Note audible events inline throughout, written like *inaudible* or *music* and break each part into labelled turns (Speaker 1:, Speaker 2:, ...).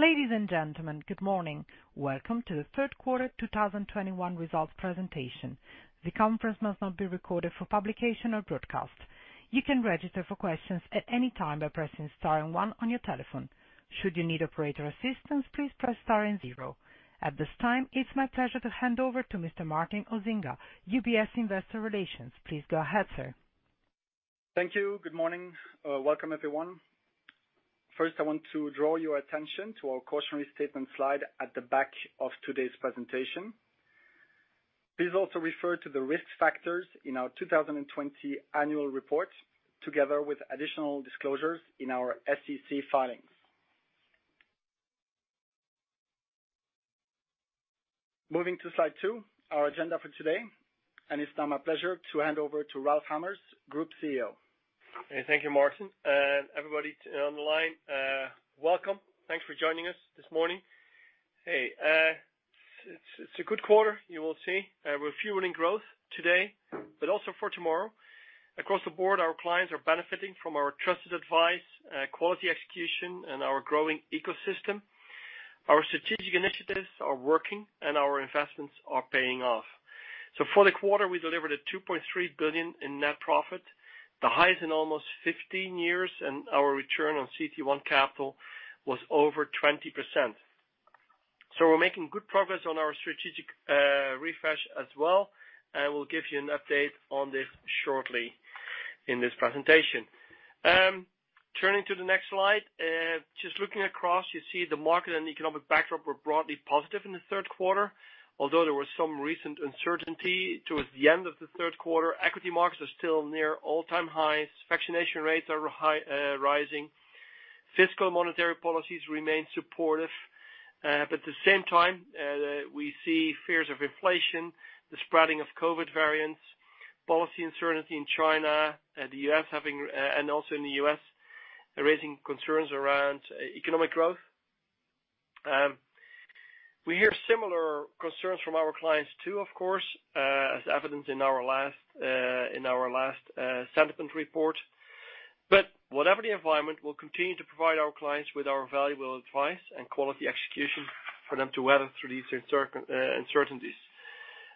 Speaker 1: Ladies and gentlemen, good morning. Welcome to the Q3 2021 Results Presentation. The conference must not be recorded for publication or broadcast. You can register for questions at any time by pressing star and one on your telephone. Should you need operator assistance, please press star and zero. At this time, it's my pleasure to hand over to Mr. Martin Osinga, UBS Investor Relations. Please go ahead, sir.
Speaker 2: Thank you. Good morning. Welcome everyone. First, I want to draw your attention to our cautionary statement slide at the back of today's presentation. Please also refer to the risk factors in our 2020 annual report, together with additional disclosures in our SEC filings. Moving to Slide 2, our agenda for today, and it's now my pleasure to hand over to Ralph Hamers, Group CEO.
Speaker 3: Thank you, Martin, and everybody on the line, welcome. Thanks for joining us this morning. Hey, it's a good quarter, you will see. We're fueling growth today, but also for tomorrow. Across the board, our clients are benefiting from our trusted advice, quality execution, and our growing ecosystem. Our strategic initiatives are working and our investments are paying off. For the quarter, we delivered 2.3 billion in net profit, the highest in almost 15 years, and our return on CET1 capital was over 20%. We're making good progress on our strategic refresh as well, and we'll give you an update on this shortly in this presentation. Turning to the next slide. Just looking across, you see the market and economic backdrop were broadly positive in the Q3. Although there was some recent uncertainty towards the end of the Q3, equity markets are still near all-time highs. Vaccination rates are high, rising. Fiscal monetary policies remain supportive. But at the same time, we see fears of inflation, the spreading of COVID variants, policy uncertainty in China, and also in the U.S., raising concerns around economic growth. We hear similar concerns from our clients too, of course, as evidenced in our last sentiment report. Whatever the environment, we'll continue to provide our clients with our valuable advice and quality execution for them to weather through these uncertainties.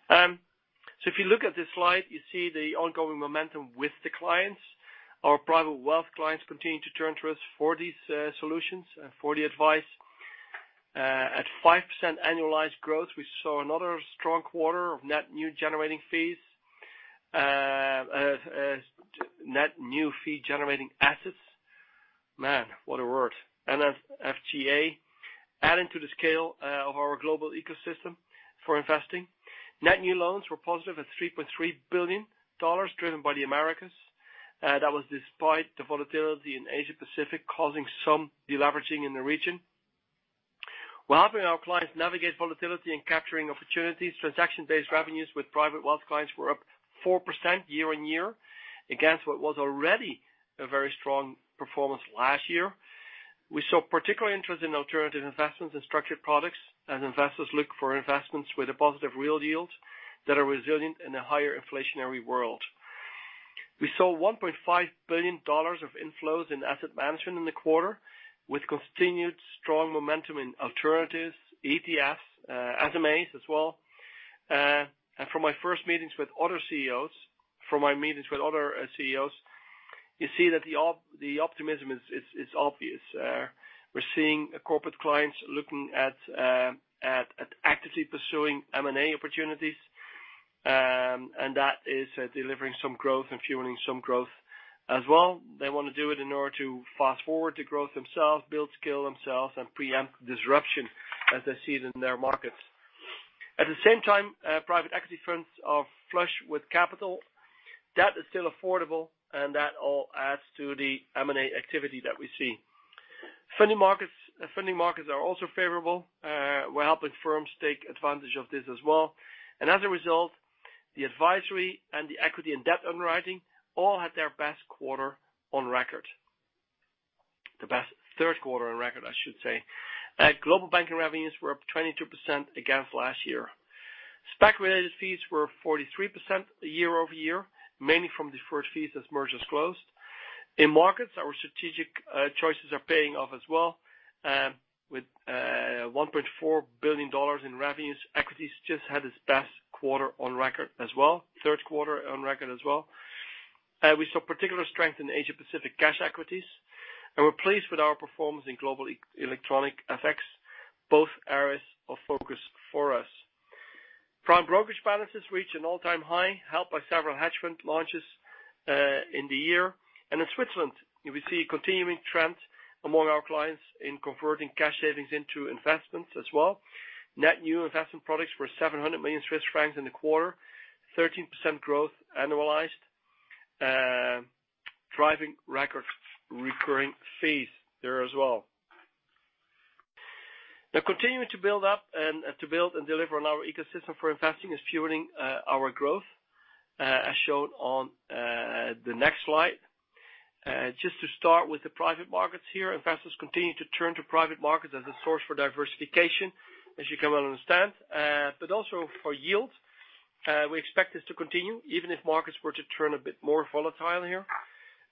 Speaker 3: If you look at this slide, you see the ongoing momentum with the clients. Our private wealth clients continue to turn to us for these solutions for the advice. At 5% annualized growth, we saw another strong quarter of net new fee generating assets. Man, what a word. NFGA, adding to the scale of our global ecosystem for investing. Net new loans were positive at $3.3 billion, driven by the Americas. That was despite the volatility in Asia-Pacific, causing some deleveraging in the region. While helping our clients navigate volatility and capturing opportunities, transaction-based revenues with private wealth clients were up 4% year-on-year, against what was already a very strong performance last year. We saw particular interest in alternative investments and structured products as investors look for investments with a positive real yield that are resilient in a higher inflationary world. We saw $1.5 billion of inflows in asset management in the quarter, with continued strong momentum in alternatives, ETFs, SMAs as well. From my meetings with other CEOs, you see that the optimism is obvious. We're seeing corporate clients looking at actively pursuing M&A opportunities, and that is delivering some growth and fueling some growth as well. They wanna do it in order to fast-forward the growth themselves, build skill themselves, and preempt disruption as they see it in their markets. At the same time, private equity firms are flush with capital. Debt is still affordable, and that all adds to the M&A activity that we see. Funding markets are also favorable. We're helping firms take advantage of this as well. As a result, the advisory and the equity and debt underwriting all had their best quarter on record. The best Q3 on record, I should say. Global banking revenues were up 22% against last year. SPAC-related fees were 43% year-over-year, mainly from deferred fees as mergers closed. In markets, our strategic choices are paying off as well, with $1.4 billion in revenues. Equities just had its best quarter on record as well, Q3 on record as well. We saw particular strength in Asia-Pacific cash equities, and we're pleased with our performance in global electronic FX, both areas of focus for us. Prime brokerage balances reach an all-time high, helped by several hedge fund launches in the year. In Switzerland, we see a continuing trend among our clients in converting cash savings into investments as well. Net new investment products were 700 million Swiss francs in the quarter, 13% growth annualized, driving record recurring fees there as well. Now, continuing to build up and deliver on our ecosystem for investing is fueling our growth, as shown on the next slide. Just to start with the private markets here, investors continue to turn to private markets as a source for diversification, as you can well understand, but also for yield. We expect this to continue even if markets were to turn a bit more volatile here.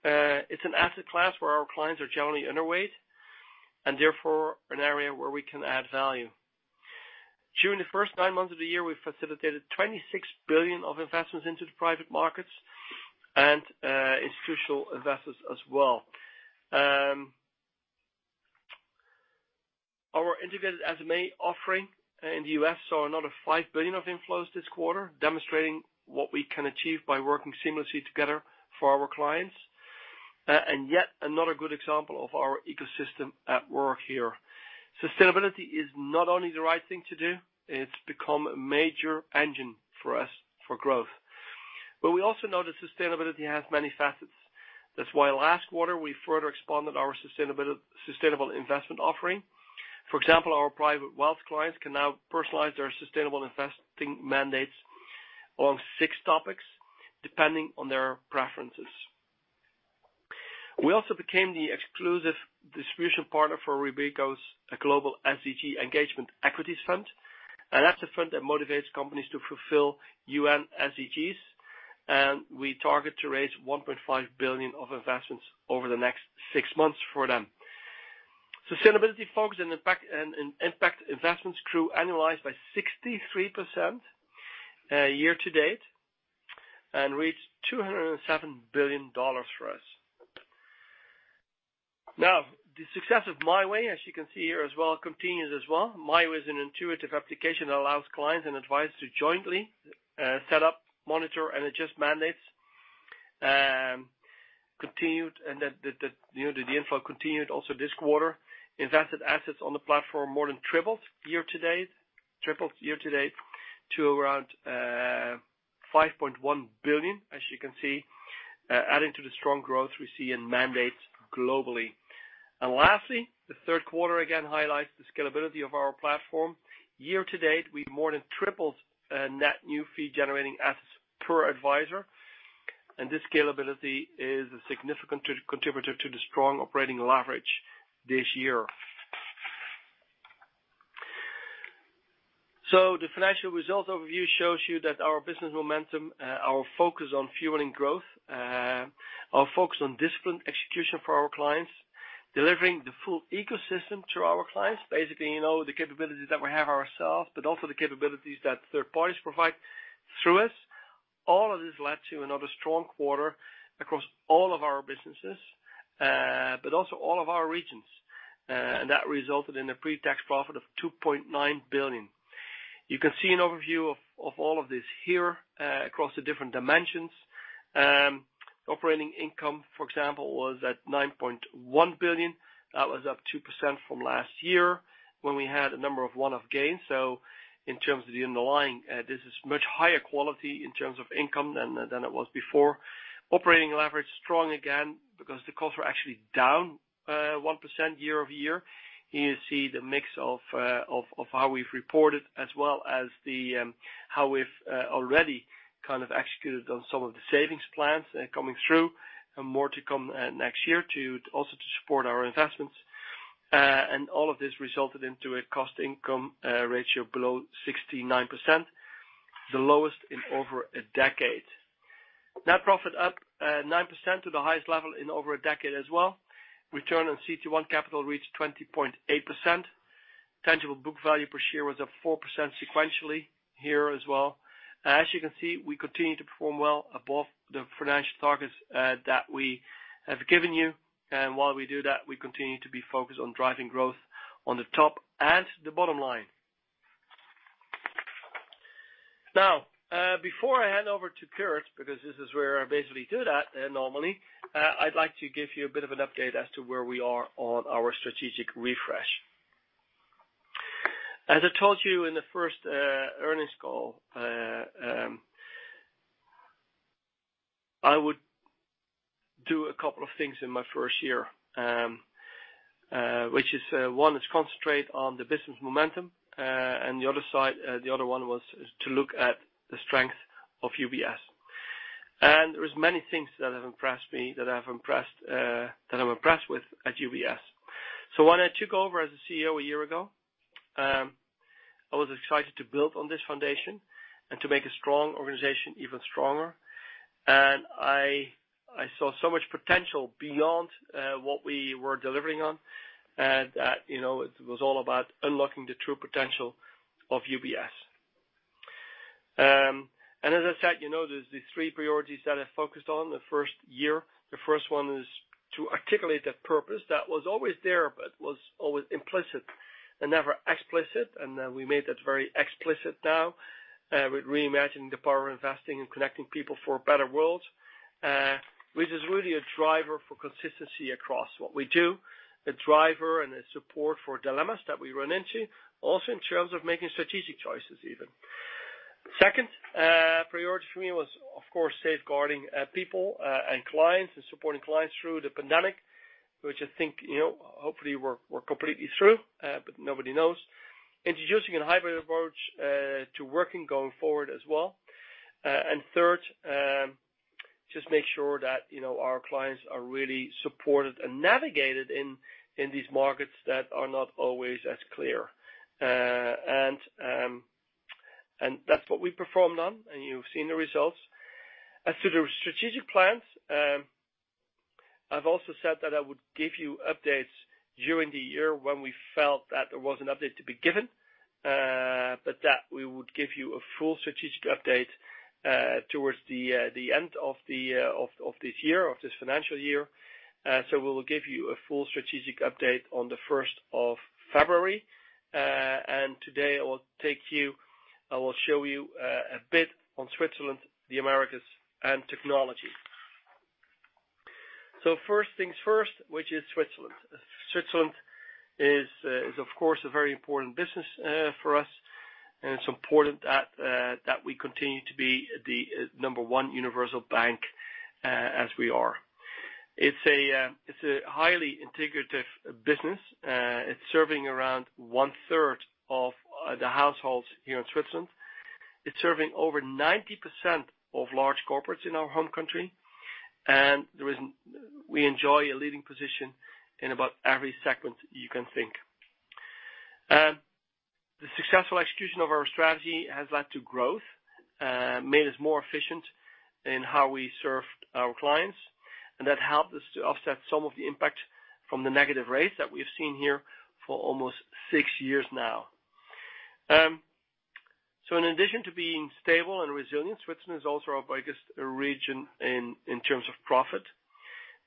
Speaker 3: It's an asset class where our clients are generally underweight, and therefore an area where we can add value. During the first nine months of the year, we facilitated $26 billion of investments into the private markets and institutional investors as well. Our integrated SMA offering in the U.S. saw another $5 billion of inflows this quarter, demonstrating what we can achieve by working seamlessly together for our clients. Yet another good example of our ecosystem at work here. Sustainability is not only the right thing to do, it's become a major engine for us for growth. We also know that sustainability has many facets. That's why last quarter, we further expanded our sustainable investment offering. For example, our private wealth clients can now personalize their sustainable investing mandates along six topics depending on their preferences. We also became the exclusive distribution partner for Robeco's Global SDG Engagement Equities Fund. That's a fund that motivates companies to fulfill UN SDGs, and we target to raise $1.5 billion of investments over the next six months for them. Sustainability focus and impact, and impact investments grew annualized by 63% year-to-date, and reached $207 billion for us. Now, the success of My Way, as you can see here as well, continues as well. My Way is an intuitive application that allows clients and advisors to jointly set up, monitor, and adjust mandates. Continued, you know, the inflow continued also this quarter. Invested assets on the platform more than tripled year-to-date to around $5.1 billion, as you can see, adding to the strong growth we see in mandates globally. Lastly, the Q3 again highlights the scalability of our platform. Year-to-date, we've more than tripled net new fee-generating assets per advisor, and this scalability is a significant contributor to the strong operating leverage this year. The financial results overview shows you that our business momentum, our focus on fueling growth, our focus on disciplined execution for our clients, delivering the full ecosystem to our clients, basically, you know, the capabilities that we have ourselves, but also the capabilities that third parties provide through us. All of this led to another strong quarter across all of our businesses, but also all of our regions. That resulted in a pre-tax profit of 2.9 billion. You can see an overview of all of this here, across the different dimensions. Operating income, for example, was at 9.1 billion. That was up 2% from last year when we had a number of one-off gains. In terms of the underlying, this is much higher quality in terms of income than it was before. Operating leverage strong again because the costs were actually down 1% year-over-year. Here you see the mix of how we've reported as well as how we've already kind of executed on some of the savings plans, coming through and more to come next year to also support our investments. And all of this resulted into a cost income ratio below 69%, the lowest in over a decade. Net profit up 9% to the highest level in over a decade as well. Return on CET1 capital reached 20.8%. Tangible book value per share was up 4% sequentially here as well. As you can see, we continue to perform well above the financial targets that we have given you. While we do that, we continue to be focused on driving growth on the top and the bottom line. Now, before I hand over to Ulrich, because this is where I basically do that, normally, I'd like to give you a bit of an update as to where we are on our strategic refresh. As I told you in the first earnings call, I would do a couple of things in my first year, which is one is concentrate on the business momentum, and the other side, the other one was to look at the strength of UBS. There were many things that I'm impressed with at UBS. When I took over as CEO a year ago, I was excited to build on this foundation and to make a strong organization even stronger. I saw so much potential beyond what we were delivering on that you know it was all about unlocking the true potential of UBS. As I said, you know, there are these three priorities that I focused on the first year. The first one is to articulate the purpose that was always there, but was always implicit and never explicit. We made that very explicit now, with reimagining the power of investing and connecting people for a better world, which is really a driver for consistency across what we do, a driver and a support for dilemmas that we run into, also in terms of making strategic choices even. Second, priority for me was, of course, safeguarding people and clients and supporting clients through the pandemic, which I think, you know, hopefully we're completely through, but nobody knows. Introducing a hybrid approach to working going forward as well. Third, just make sure that, you know, our clients are really supported and navigated in these markets that are not always as clear. That's what we performed on, and you've seen the results. As to the strategic plans, I've also said that I would give you updates during the year when we felt that there was an update to be given. That we would give you a full strategic update towards the end of this year, of this financial year. We will give you a full strategic update on the first of February. Today, I will show you a bit on Switzerland, the Americas, and technology. First things first, which is Switzerland. Switzerland is of course a very important business for us. It's important that we continue to be the number one universal bank as we are. It's a highly integrative business. It's serving around 1/3 of the households here in Switzerland. It's serving over 90% of large corporates in our home country. We enjoy a leading position in about every segment you can think. The successful execution of our strategy has led to growth, made us more efficient in how we serve our clients, and that helped us to offset some of the impact from the negative rates that we've seen here for almost six years now. In addition to being stable and resilient, Switzerland is also our biggest region in terms of profit,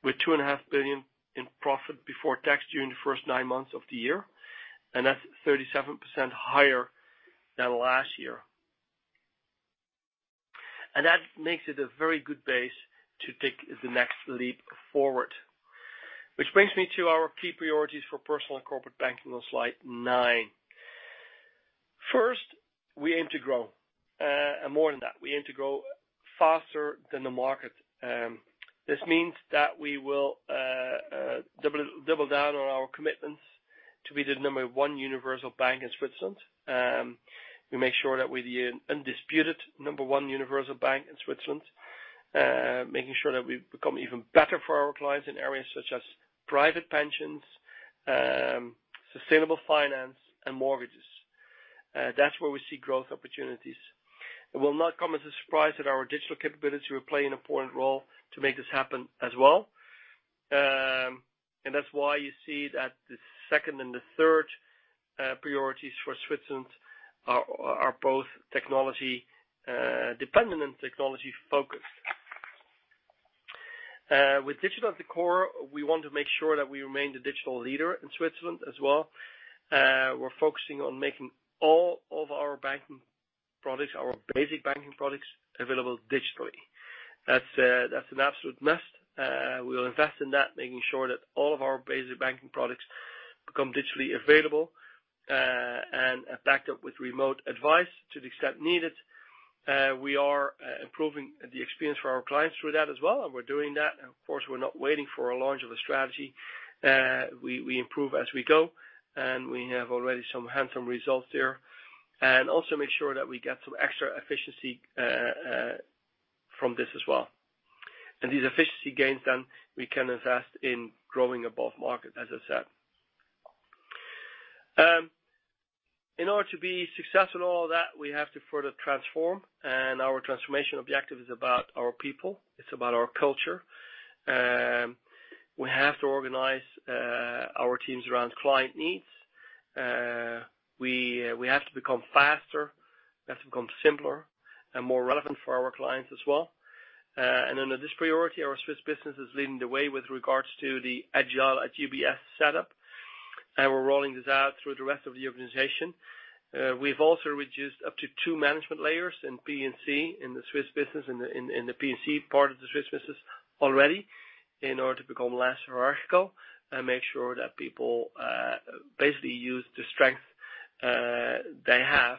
Speaker 3: with 2.5 billion in profit before tax during the first nine months of the year, and that's 37% higher than last year. That makes it a very good base to take the next leap forward. Which brings me to our key priorities for Personal and Corporate Banking on Slide 9. First, we aim to grow. More than that, we aim to grow faster than the market. This means that we will double down on our commitments to be the number one universal bank in Switzerland. We make sure that we're the undisputed number one universal bank in Switzerland, making sure that we become even better for our clients in areas such as private pensions, sustainable finance, and mortgages. That's where we see growth opportunities. It will not come as a surprise that our digital capability will play an important role to make this happen as well. That's why you see that the second and the third priorities for Switzerland are both technology dependent and technology-focused. With digital at the core, we want to make sure that we remain the digital leader in Switzerland as well. We're focusing on making all of our banking products, our basic banking products, available digitally. That's an absolute must. We'll invest in that, making sure that all of our basic banking products become digitally available and are backed up with remote advice to the extent needed. We are improving the experience for our clients through that as well, and we're doing that. Of course, we're not waiting for a launch of a strategy. We improve as we go, and we have already some handsome results there. Also make sure that we get some extra efficiency from this as well. These efficiency gains then we can invest in growing above market, as I said. In order to be successful in all of that, we have to further transform, and our transformation objective is about our people, it's about our culture. We have to organize our teams around client needs. We have to become faster. We have to become simpler and more relevant for our clients as well. Under this priority, our Swiss business is leading the way with regards to the Agile@UBS setup, and we're rolling this out through the rest of the organization. We've also reduced up to two management layers in P&C in the Swiss business, in the P&C part of the Swiss business already in order to become less hierarchical and make sure that people basically use the strength they have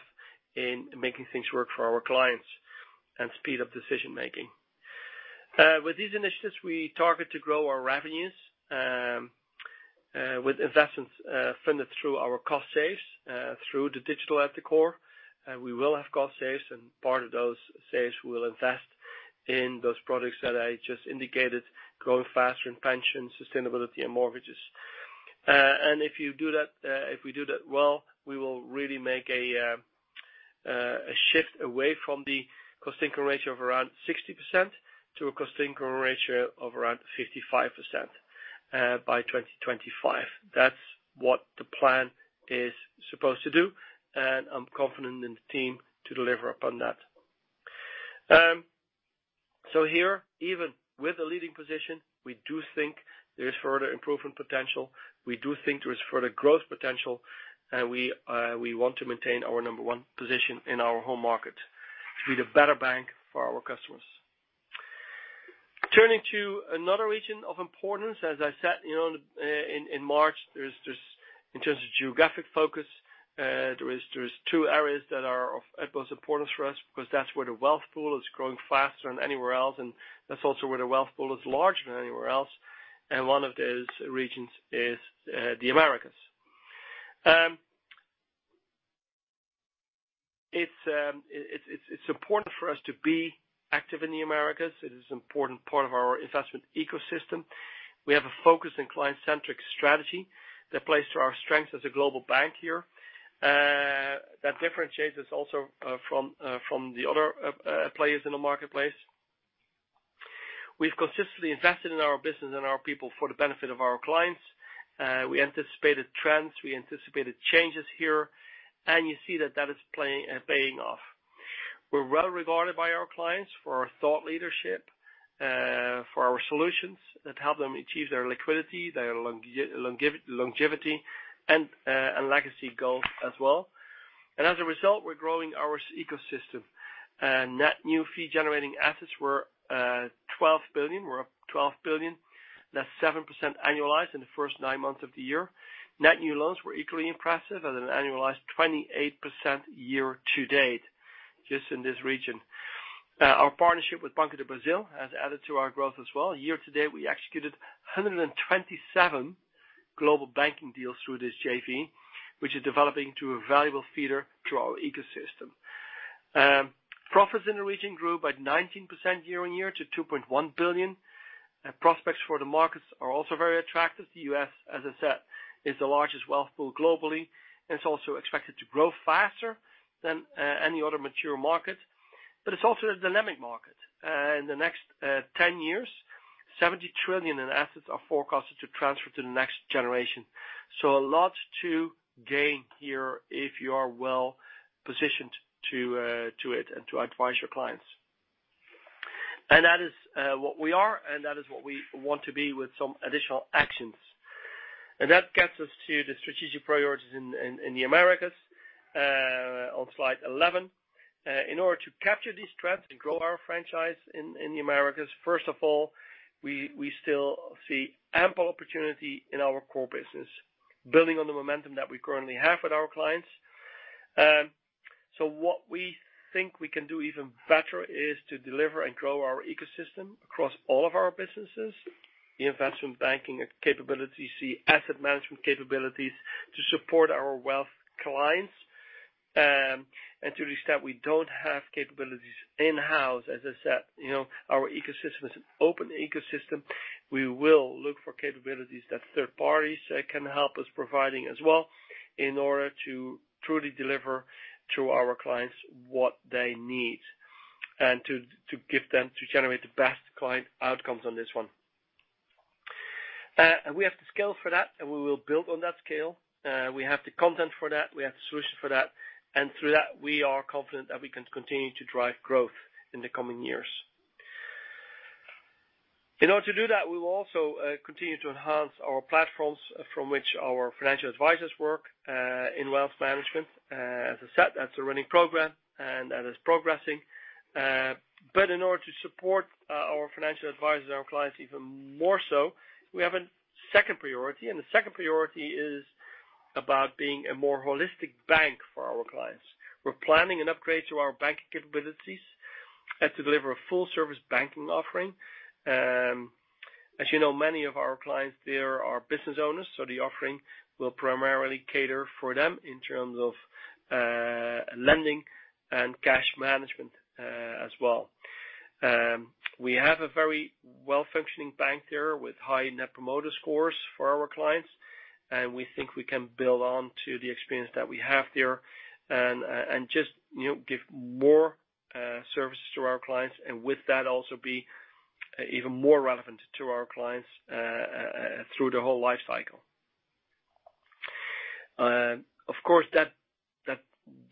Speaker 3: in making things work for our clients and speed up decision-making. With these initiatives, we target to grow our revenues with investments funded through our cost savings through the digital at the core. We will have cost savings, and part of those savings we'll invest in those products that I just indicated, growing faster in pension, sustainability, and mortgages. If we do that well, we will really make a shift away from the cost-income ratio of around 60% to a cost-income ratio of around 55%, by 2025. That's what the plan is supposed to do, and I'm confident in the team to deliver upon that. Here, even with a leading position, we do think there is further improvement potential. We do think there is further growth potential, and we want to maintain our number one position in our home market. Be the better bank for our customers. Turning to another region of importance, as I said, you know, in March, in terms of geographic focus, there are two areas that are of utmost importance for us because that's where the wealth pool is growing faster than anywhere else, and that's also where the wealth pool is larger than anywhere else. One of those regions is the Americas. It's important for us to be active in the Americas. It is important part of our investment ecosystem. We have a focus in client-centric strategy that plays to our strengths as a global bank here, that differentiates us also from the other players in the marketplace. We've consistently invested in our business and our people for the benefit of our clients. We anticipated trends, we anticipated changes here, and you see that is paying off. We're well regarded by our clients for our thought leadership, for our solutions that help them achieve their liquidity, their longevity, and legacy goals as well. As a result, we're growing our ecosystem. Net new fee-generating assets were 12 billion. We're up 12 billion. That's 7% annualized in the first nine months of the year. Net new loans were equally impressive at an annualized 28% year-to-date just in this region. Our partnership with Banco do Brasil has added to our growth as well. Year-to-date, we executed 127 global banking deals through this JV, which is developing to a valuable feeder to our ecosystem. Profits in the region grew by 19% year-on-year to 2.1 billion. Prospects for the markets are also very attractive. The U.S., as I said, is the largest wealth pool globally, and it's also expected to grow faster than any other mature market. It's also a dynamic market. In the next 10 years, $70 trillion in assets are forecasted to transfer to the next generation. A lot to gain here if you are well-positioned to it and to advise your clients. That is what we are, and that is what we want to be with some additional actions. That gets us to the strategic priorities in the Americas on Slide 11. In order to capture these trends and grow our franchise in the Americas, first of all, we still see ample opportunity in our core business, building on the momentum that we currently have with our clients. What we think we can do even better is to deliver and grow our ecosystem across all of our businesses, the investment banking capabilities, the asset management capabilities to support our wealth clients. To the extent we don't have capabilities in-house, as I said, you know, our ecosystem is an open ecosystem. We will look for capabilities that third parties can help us providing as well in order to truly deliver to our clients what they need and to give them to generate the best client outcomes on this one. We have the scale for that, and we will build on that scale. We have the content for that, we have the solution for that, and through that, we are confident that we can continue to drive growth in the coming years. In order to do that, we will also continue to enhance our platforms from which our financial advisors work in wealth management. As I said, that's a running program, and that is progressing. But in order to support our financial advisors, our clients even more so, we have a second priority, and the second priority is about being a more holistic bank for our clients. We're planning an upgrade to our banking capabilities and to deliver a full-service banking offering. As you know, many of our clients there are business owners, so the offering will primarily cater for them in terms of lending and cash management, as well. We have a very well-functioning bank there with high net promoter scores for our clients, and we think we can build on to the experience that we have there and just, you know, give more services to our clients, and with that, also be even more relevant to our clients through their whole lifecycle. Of course,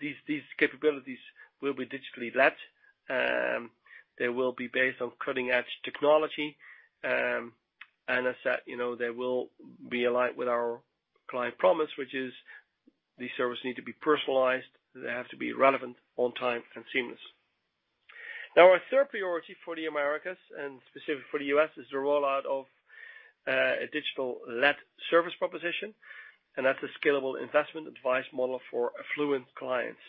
Speaker 3: these capabilities will be digitally led. They will be based on cutting-edge technology. As I said, you know, they will be aligned with our client promise, which is these services need to be personalized, they have to be relevant, on time, and seamless. Now, our third priority for the Americas, and specifically for the U.S., is the rollout of a digital-led service proposition, and that's a scalable investment advice model for affluent clients.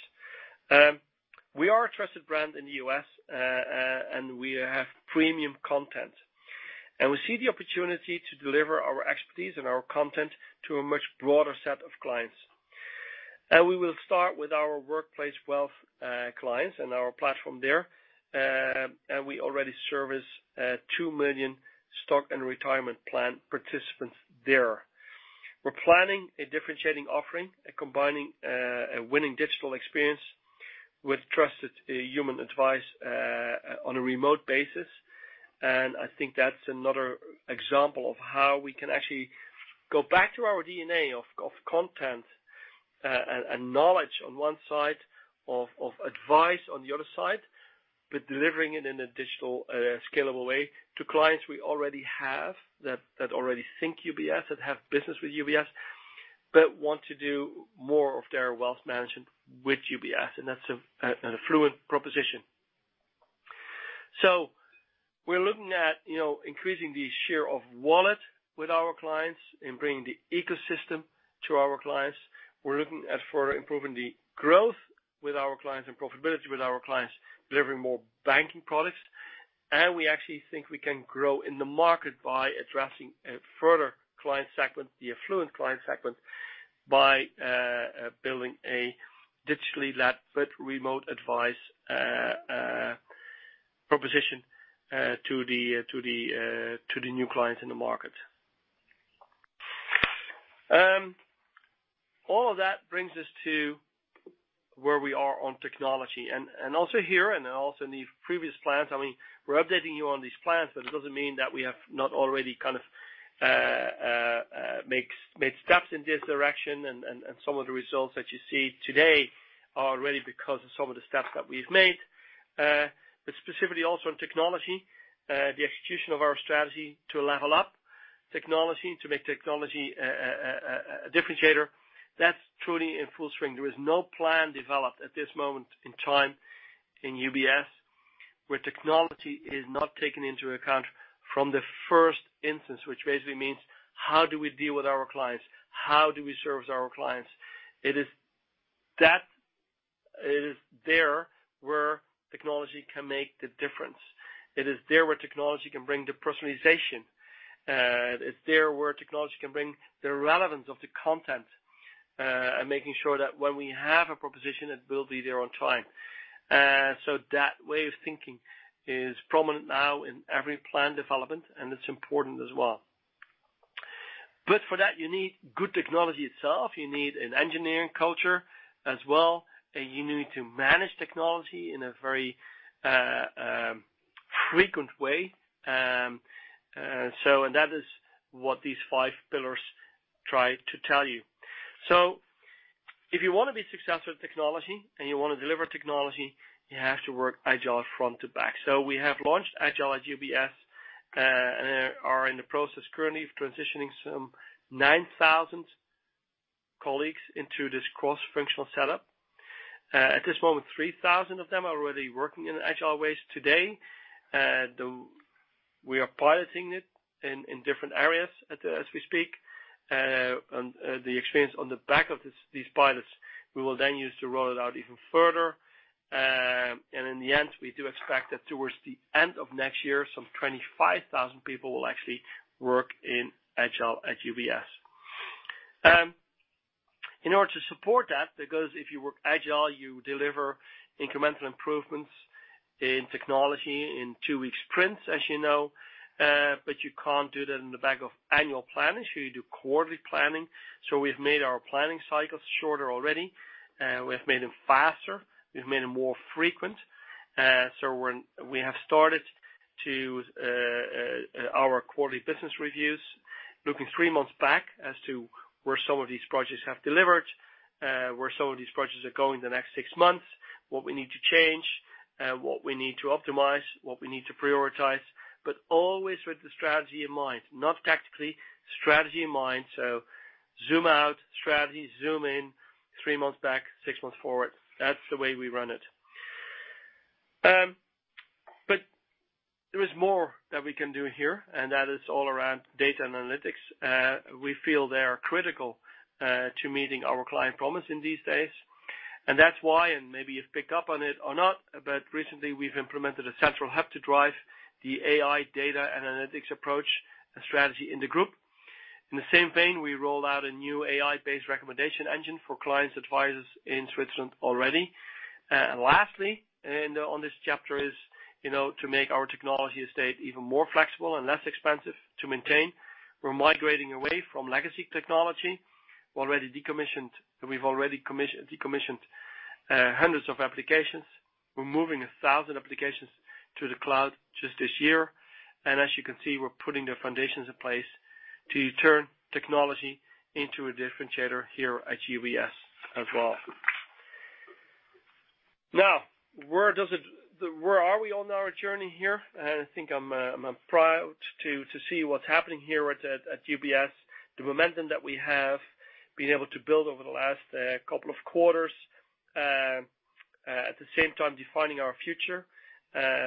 Speaker 3: We are a trusted brand in the U.S., and we have premium content. We see the opportunity to deliver our expertise and our content to a much broader set of clients. We will start with our workplace wealth clients and our platform there. We already service two million stock and retirement plan participants there. We're planning a differentiating offering, combining a winning digital experience with trusted human advice on a remote basis. I think that's another example of how we can actually go back to our DNA of content and knowledge on one side, of advice on the other side, but delivering it in a digital scalable way to clients we already have that already think UBS, that have business with UBS, but want to do more of their wealth management with UBS, and that's an affluent proposition. We're looking at increasing the share of wallet with our clients and bringing the ecosystem to our clients. We're looking at further improving the growth with our clients and profitability with our clients, delivering more banking products. We actually think we can grow in the market by addressing a further client segment, the affluent client segment, by building a digitally led but remote advice proposition to the new clients in the market. All of that brings us to where we are on technology. Also here and also in the previous plans, I mean, we're updating you on these plans, but it doesn't mean that we have not already kind of made steps in this direction. Some of the results that you see today are really because of some of the steps that we've made. But specifically also in technology, the execution of our strategy to level up technology, to make technology a differentiator that's truly in full swing. There is no plan developed at this moment in time in UBS, where technology is not taken into account from the first instance, which basically means how do we deal with our clients? How do we service our clients? It is there where technology can make the difference. It is there where technology can bring the personalization. It's there where technology can bring the relevance of the content, and making sure that when we have a proposition, it will be there on time. That way of thinking is prominent now in every plan development, and it's important as well. For that, you need good technology itself. You need an engineering culture as well, and you need to manage technology in a very frequent way. And that is what these five pillars try to tell you. If you wanna be successful with technology and you wanna deliver technology, you have to work agile front to back. We have launched Agile at UBS and are in the process currently of transitioning some 9,000 colleagues into this cross-functional setup. At this moment, 3,000 of them are already working in agile ways today. We are piloting it in different areas as we speak. The experience on the back of these pilots, we will then use to roll it out even further. In the end, we do expect that towards the end of next year, some 25,000 people will actually work in Agile at UBS. In order to support that, because if you work agile, you deliver incremental improvements in technology in two-week sprints, as you know, but you can't do that in the back of annual planning, so you do quarterly planning. We've made our planning cycles shorter already. We've made them faster, we've made them more frequent. We have started to our quarterly business reviews, looking three months back as to where some of these projects have delivered, where some of these projects are going in the next six months, what we need to change, what we need to optimize, what we need to prioritize, but always with the strategy in mind, not tactically, strategy in mind. Zoom out, strategy, zoom in three months back, six months forward. That's the way we run it. There is more that we can do here, and that is all around data and analytics. We feel they are critical to meeting our client promise in these days. That's why, and maybe you've picked up on it or not, but recently we've implemented a central hub to drive the AI, data, and analytics approach and strategy in the group. In the same vein, we rolled out a new AI-based recommendation engine for clients, advisors in Switzerland already. Lastly, on this chapter is, you know, to make our technology estate even more flexible and less expensive to maintain, we're migrating away from legacy technology. We've already decommissioned hundreds of applications. We're moving 1,000 applications to the cloud just this year. As you can see, we're putting the foundations in place to turn technology into a differentiator here at UBS as well. Now, where are we on our journey here? I think I'm proud to see what's happening here at UBS. The momentum that we have been able to build over the last couple of quarters, at the same time defining our future,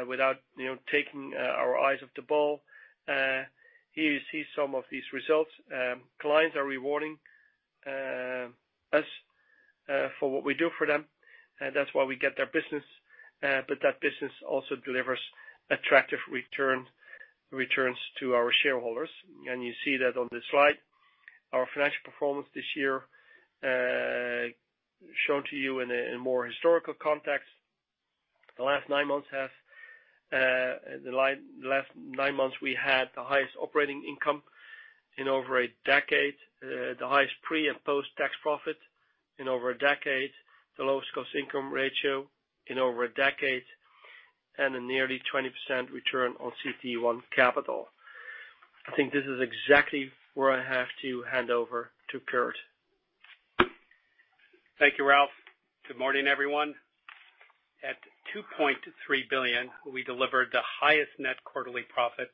Speaker 3: without, you know, taking our eyes off the ball. Here you see some of these results. Clients are rewarding us for what we do for them, and that's why we get their business. But that business also delivers attractive returns to our shareholders. You see that on this slide. Our financial performance this year, shown to you in more historical context. The last nine months we had the highest operating income in over a decade, the highest pre- and post-tax profit in over a decade, the lowest cost income ratio in over a decade, and a nearly 20% return on CET1 capital. I think this is exactly where I have to hand over to Kirt.
Speaker 4: Thank you, Ralph. Good morning, everyone. At 2.3 billion, we delivered the highest net quarterly profit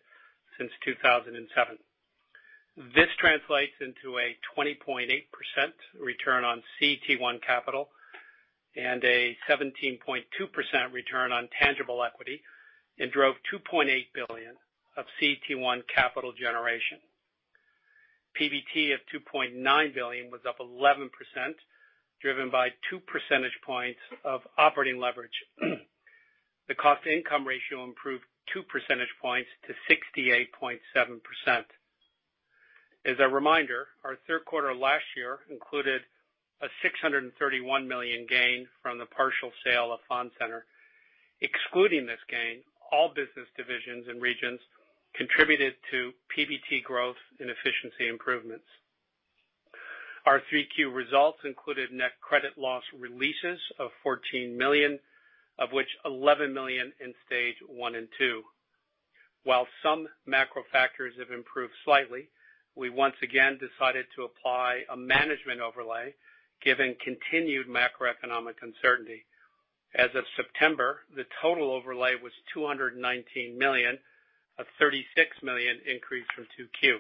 Speaker 4: since 2007. This translates into a 20.8% return on CET1 capital and a 17.2% return on tangible equity, and drove 2.8 billion of CET1 capital generation. PBT of 2.9 billion was up 11%, driven by two percentage points of operating leverage. The cost-to-income ratio improved two percentage points to 68.7%. As a reminder, our Q3 last year included a 631 million gain from the partial sale of Fondcenter. Excluding this gain, all business divisions and regions contributed to PBT growth and efficiency improvements. Our 3Q results included net credit loss releases of 14 million, of which 11 million in Stage 1 and Stage 2. While some macro factors have improved slightly, we once again decided to apply a management overlay given continued macroeconomic uncertainty. As of September, the total overlay was $219 million, a $36 million increase from 2Q.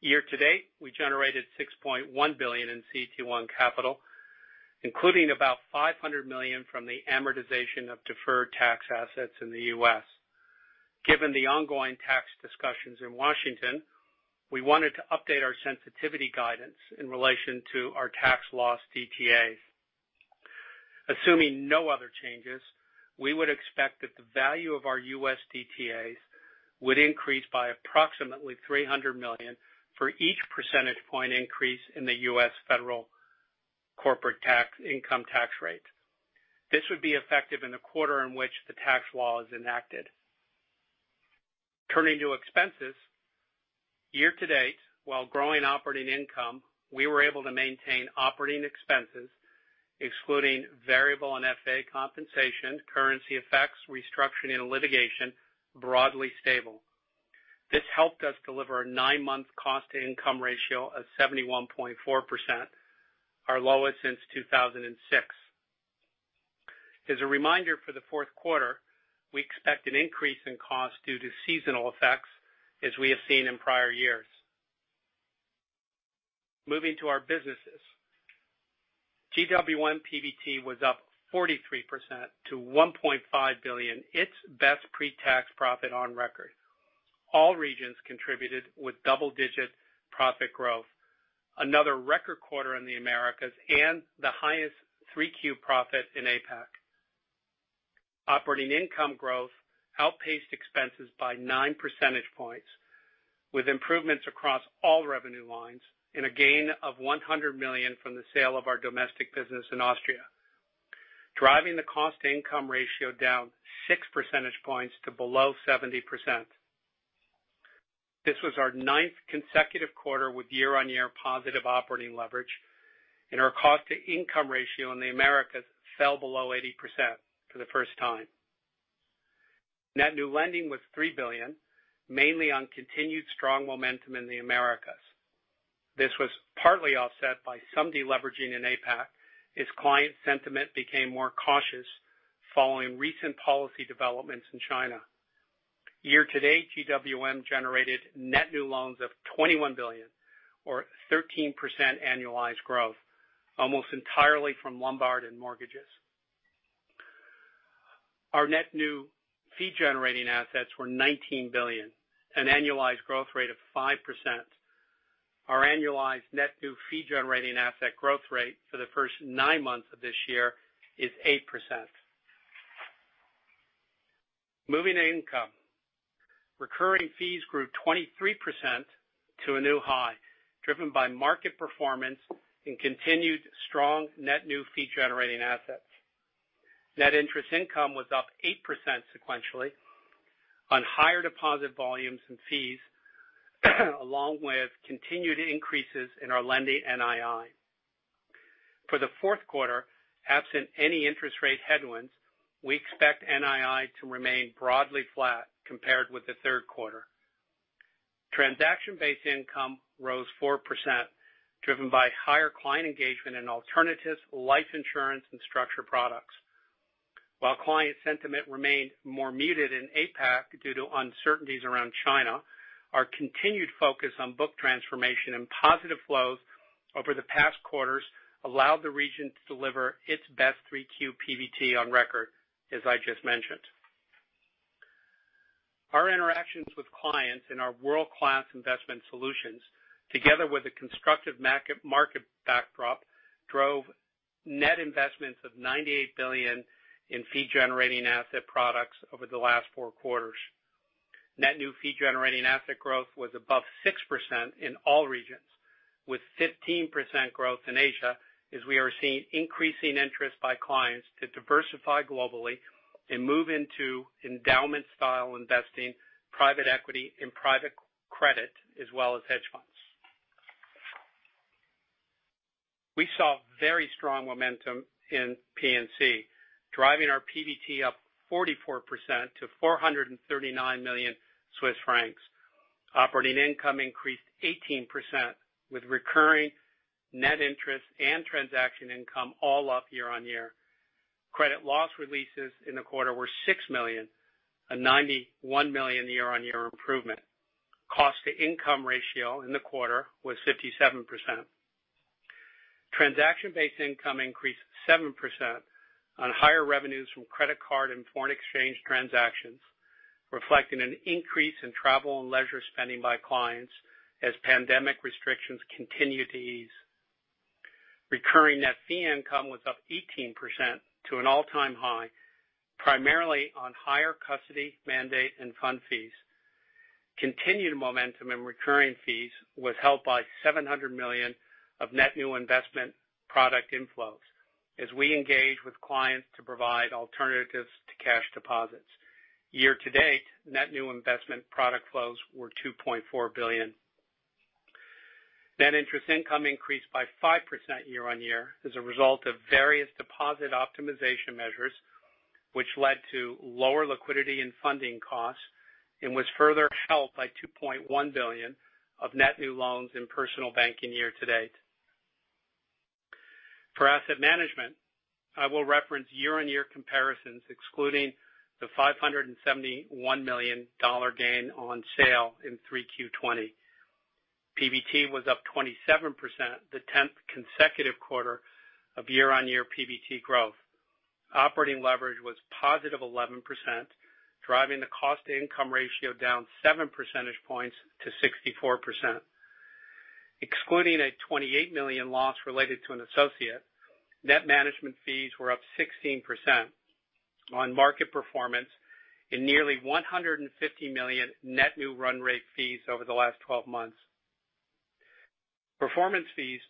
Speaker 4: Year-to-date, we generated $6.1 billion in CET1 capital, including about $500 million from the amortization of deferred tax assets in the U.S. Given the ongoing tax discussions in Washington, we wanted to update our sensitivity guidance in relation to our tax loss DTAs. Assuming no other changes, we would expect that the value of our U.S. DTAs would increase by approximately $300 million for each percentage point increase in the U.S. federal corporate income tax rate. This would be effective in the quarter in which the tax law is enacted. Turning to expenses. Year-to-date, while growing operating income, we were able to maintain operating expenses, excluding variable and FA compensation, currency effects, restructuring, and litigation broadly stable. This helped us deliver a nine-month cost-to-income ratio of 71.4%, our lowest since 2006. As a reminder, for the Q4, we expect an increase in cost due to seasonal effects as we have seen in prior years. Moving to our businesses. GWM PBT was up 43% to 1.5 billion, its best pre-tax profit on record. All regions contributed with double-digit profit growth, another record quarter in the Americas and the highest 3Q profit in APAC. Operating income growth outpaced expenses by 9 percentage points, with improvements across all revenue lines and a gain of 100 million from the sale of our domestic business in Austria, driving the cost-to-income ratio down 6 percentage points to below 70%. This was our 9th consecutive quarter with year-on-year positive operating leverage, and our cost-to-income ratio in the Americas fell below 80% for the first time. Net new lending was 3 billion, mainly on continued strong momentum in the Americas. This was partly offset by some deleveraging in APAC as client sentiment became more cautious following recent policy developments in China. Year-to-date, GWM generated net new loans of 21 billion or 13% annualized growth, almost entirely from Lombard and mortgages. Our net new fee-generating assets were 19 billion, an annualized growth rate of 5%. Our annualized net new fee-generating asset growth rate for the first nine months of this year is 8%. Moving to income. Recurring fees grew 23% to a new high, driven by market performance and continued strong net new fee-generating assets. Net interest income was up 8% sequentially on higher deposit volumes and fees, along with continued increases in our lending NII. For the Q4, absent any interest rate headwinds, we expect NII to remain broadly flat compared with the Q3. Transaction-based income rose 4%, driven by higher client engagement in alternatives, life insurance, and structured products. While client sentiment remained more muted in APAC due to uncertainties around China, our continued focus on book transformation and positive flows over the past quarters allowed the region to deliver its best 3Q PBT on record, as I just mentioned. Our interactions with clients in our world-class investment solutions, together with a constructive market backdrop, drove net investments of 98 billion in fee-generating asset products over the last four quarters. Net new fee-generating asset growth was above 6% in all regions, with 15% growth in Asia as we are seeing increasing interest by clients to diversify globally and move into endowment-style investing, private equity and private credit, as well as hedge funds. We saw very strong momentum in P&C, driving our PBT up 44% to 439 million Swiss francs. Operating income increased 18% with recurring net interest and transaction income all up year-on-year. Credit loss releases in the quarter were 6 million, a 91 million year-on-year improvement. Cost to income ratio in the quarter was 57%. Transaction-based income increased 7% on higher revenues from credit card and foreign exchange transactions, reflecting an increase in travel and leisure spending by clients as pandemic restrictions continue to ease. Recurring net fee income was up 18% to an all-time high, primarily on higher custody, mandate, and fund fees. Continued momentum in recurring fees was helped by 700 million of net new investment product inflows as we engage with clients to provide alternatives to cash deposits. Year-to-date, net new investment product flows were 2.4 billion. Net interest income increased by 5% year-on-year as a result of various deposit optimization measures, which led to lower liquidity and funding costs, and was further helped by 2.1 billion of net new loans in personal banking year-to-date. For asset management, I will reference year-on-year comparisons, excluding the $571 million gain on sale in 3Q 2020. PBT was up 27%, the 10th consecutive quarter of year-on-year PBT growth. Operating leverage was positive 11%, driving the cost-to-income ratio down seven percentage points to 64%. Excluding a $28 million loss related to an associate, net management fees were up 16% on market performance and nearly $150 million net new run rate fees over the last twelve months. Performance fees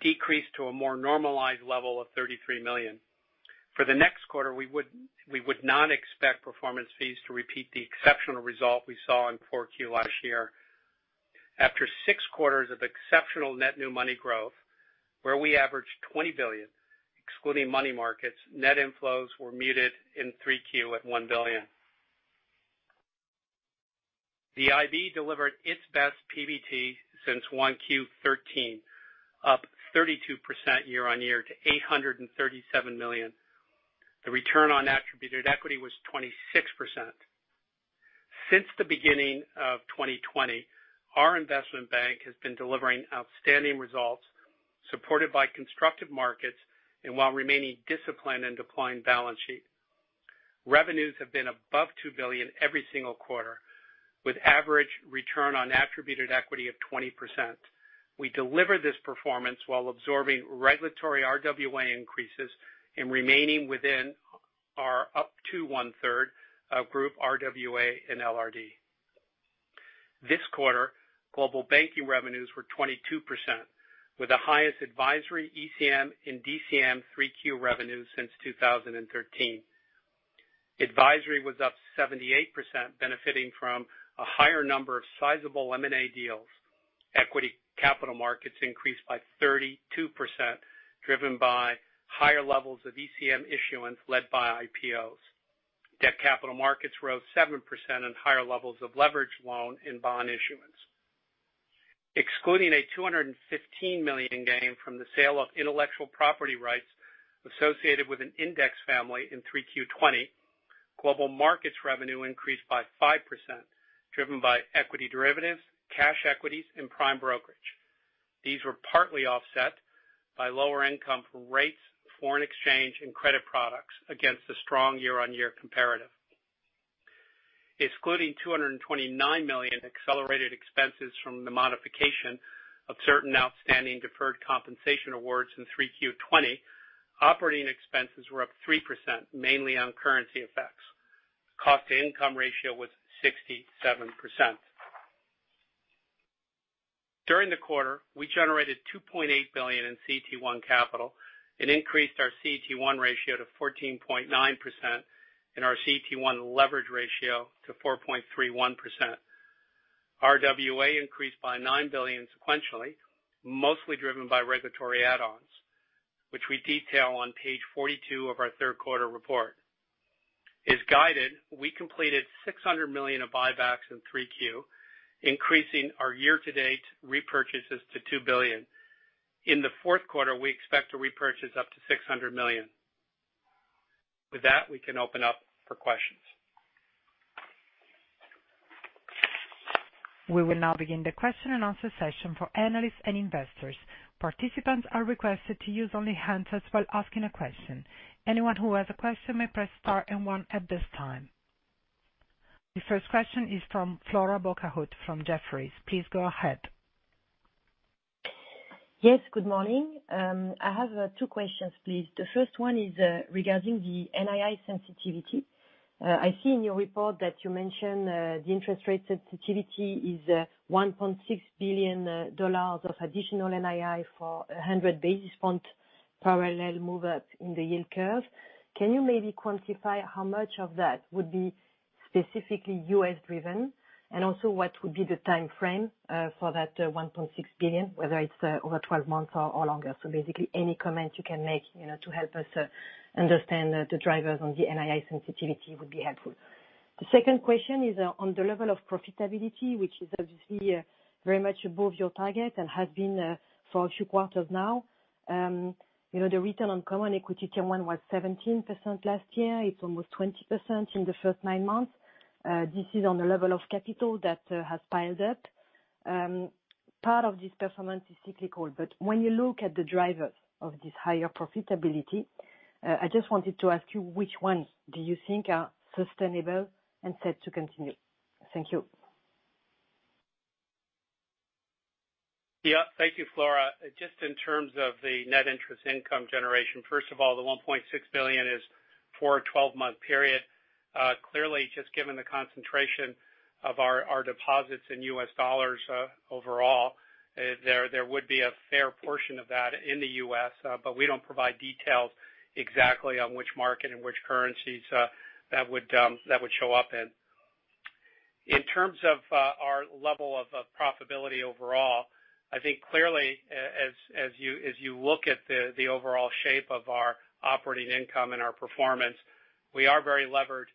Speaker 4: decreased to a more normalized level of $33 million. For the next quarter, we would not expect performance fees to repeat the exceptional result we saw in 4Q last year. After six quarters of exceptional net new money growth, where we averaged 20 billion, excluding money markets, net inflows were muted in 3Q at 1 billion. The IB delivered its best PBT since 1Q 2013, up 32% year-on-year to CHF 837 million. The return on attributed equity was 26%. Since the beginning of 2020, our investment bank has been delivering outstanding results supported by constructive markets and while remaining disciplined in deploying balance sheet. Revenues have been above 2 billion every single quarter with average return on attributed equity of 20%. We deliver this performance while absorbing regulatory RWA increases and remaining within our up to 1/3 of group RWA and LRD. This quarter, global banking revenues were 22%, with the highest advisory ECM and DCM 3Q revenue since 2013. Advisory was up 78%, benefiting from a higher number of sizable M&A deals. Equity capital markets increased by 32%, driven by higher levels of ECM issuance led by IPOs. Debt capital markets rose 7% on higher levels of leverage loan and bond issuance. Excluding a 215 million gain from the sale of intellectual property rights associated with an index family in 3Q 2020, global markets revenue increased by 5%, driven by equity derivatives, cash equities, and prime brokerage. These were partly offset by lower income from rates, foreign exchange, and credit products against a strong year-on-year comparative. Excluding 229 million accelerated expenses from the modification of certain outstanding deferred compensation awards in 3Q 2020, operating expenses were up 3%, mainly on currency effects. Cost to income ratio was 67%. During the quarter, we generated 2.8 billion in CET1 capital and increased our CET1 ratio to 14.9% and our CET1 leverage ratio to 4.31%. RWA increased by 9 billion sequentially, mostly driven by regulatory add-ons, which we detail on Page 42 of our Q3 report. As guided, we completed 600 million of buybacks in 3Q, increasing our year-to-date repurchases to 2 billion. In the Q4, we expect to repurchase up to 600 million. With that, we can open up for questions.
Speaker 1: We will now begin the question-and-answer session for analysts and investors. Participants are requested to use only hand raised while asking a question. Anyone who has a question may press star and one at this time. The first question is from Flora Bocahut from Jefferies. Please go ahead.
Speaker 5: Yes, good morning. I have two questions, please. The first one is regarding the NII sensitivity. I see in your report that you mentioned the interest rate sensitivity is $1.6 billion of additional NII for a 100 basis point parallel move up in the yield curve. Can you maybe quantify how much of that would be specifically U.S.-driven, and also what would be the time frame for that $1.6 billion, whether it's over 12 months or longer? Basically, any comment you can make, you know, to help us understand the drivers on the NII sensitivity would be helpful. The second question is on the level of profitability, which is obviously very much above your target and has been for a few quarters now. You know, the return on common equity Q1 was 17% last year. It's almost 20% in the first nine months. This is on the level of capital that has piled up. Part of this performance is cyclical, but when you look at the drivers of this higher profitability, I just wanted to ask you which ones do you think are sustainable and set to continue? Thank you.
Speaker 4: Yeah. Thank you, Flora. Just in terms of the net interest income generation, first of all, the $1.6 billion is for a 12-month period. Clearly, just given the concentration of our deposits in U.S. dollars, overall, there would be a fair portion of that in the U.S., but we don't provide details exactly on which market and which currencies that would show up in. In terms of our level of profitability overall, I think clearly as you look at the overall shape of our operating income and our performance, we are very levered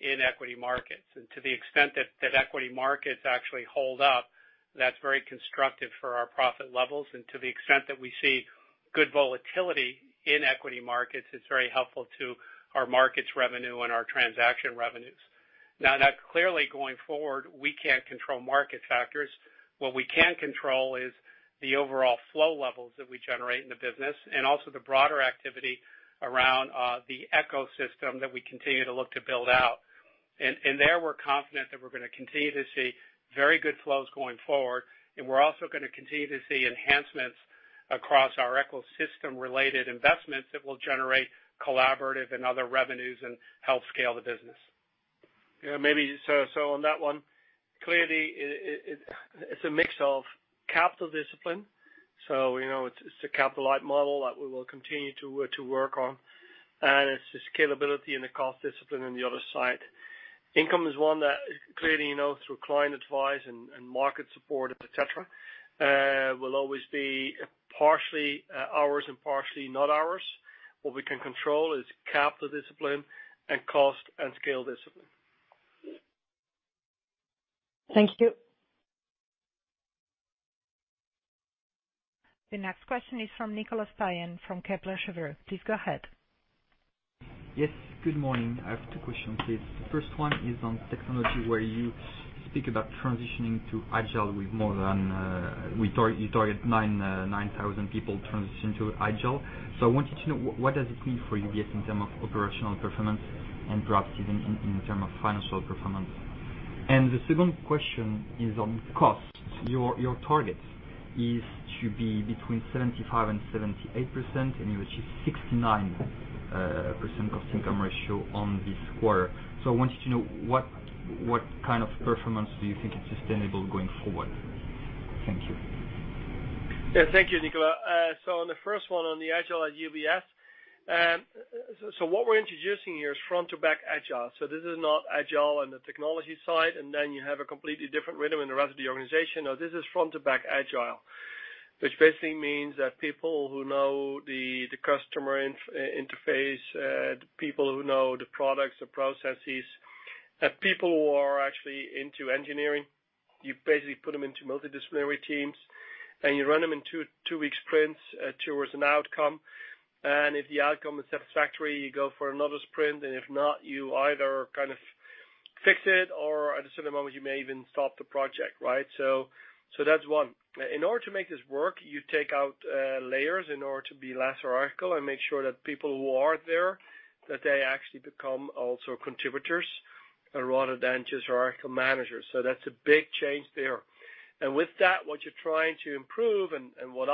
Speaker 4: in equity markets. To the extent that equity markets actually hold up, that's very constructive for our profit levels. To the extent that we see good volatility in equity markets, it's very helpful to our markets revenue and our transaction revenues. Now clearly, going forward, we can't control market factors. What we can control is the overall flow levels that we generate in the business and also the broader activity around the ecosystem that we continue to look to build out. There, we're confident that we're gonna continue to see very good flows going forward. We're also gonna continue to see enhancements across our ecosystem-related investments that will generate collaborative and other revenues and help scale the business.
Speaker 3: Yeah, maybe so on that one, clearly it's a mix of capital discipline. You know, it's a capital-light model that we will continue to work on. It's the scalability and the cost discipline on the other side. Income is one that clearly you know through client advice and market support, et cetera, will always be partially ours and partially not ours. What we can control is capital discipline and cost and scale discipline.
Speaker 5: Thank you.
Speaker 1: The next question is from Nicolas Payen from Kepler Cheuvreux. Please go ahead.
Speaker 6: Yes. Good morning. I have two questions, please. The first one is on technology, where you speak about transitioning to agile with more than you target 9,000 people transition to agile. I wanted to know what does it mean for UBS in terms of operational performance and perhaps even in terms of financial performance? The second question is on costs. Your target is to be between 75%-78%, and you achieved 69% cost-income ratio in this quarter. I wanted to know what kind of performance do you think is sustainable going forward? Thank you.
Speaker 3: Thank you, Nicolas. On the first one, on the Agile at UBS, what we're introducing here is front to back agile. This is not agile on the technology side, and then you have a completely different rhythm in the rest of the organization. No, this is front to back agile, which basically means that people who know the customer interface, the people who know the products, the processes, people who are actually into engineering, you basically put them into multidisciplinary teams, and you run them in two-week sprints towards an outcome. If the outcome is satisfactory, you go for another sprint, and if not, you either kind of fix it or at a certain moment, you may even stop the project, right? That's one. In order to make this work, you take out layers in order to be less hierarchical and make sure that people who are there, that they actually become also contributors rather than just hierarchical managers. That's a big change there. With that, what you're trying to improve and what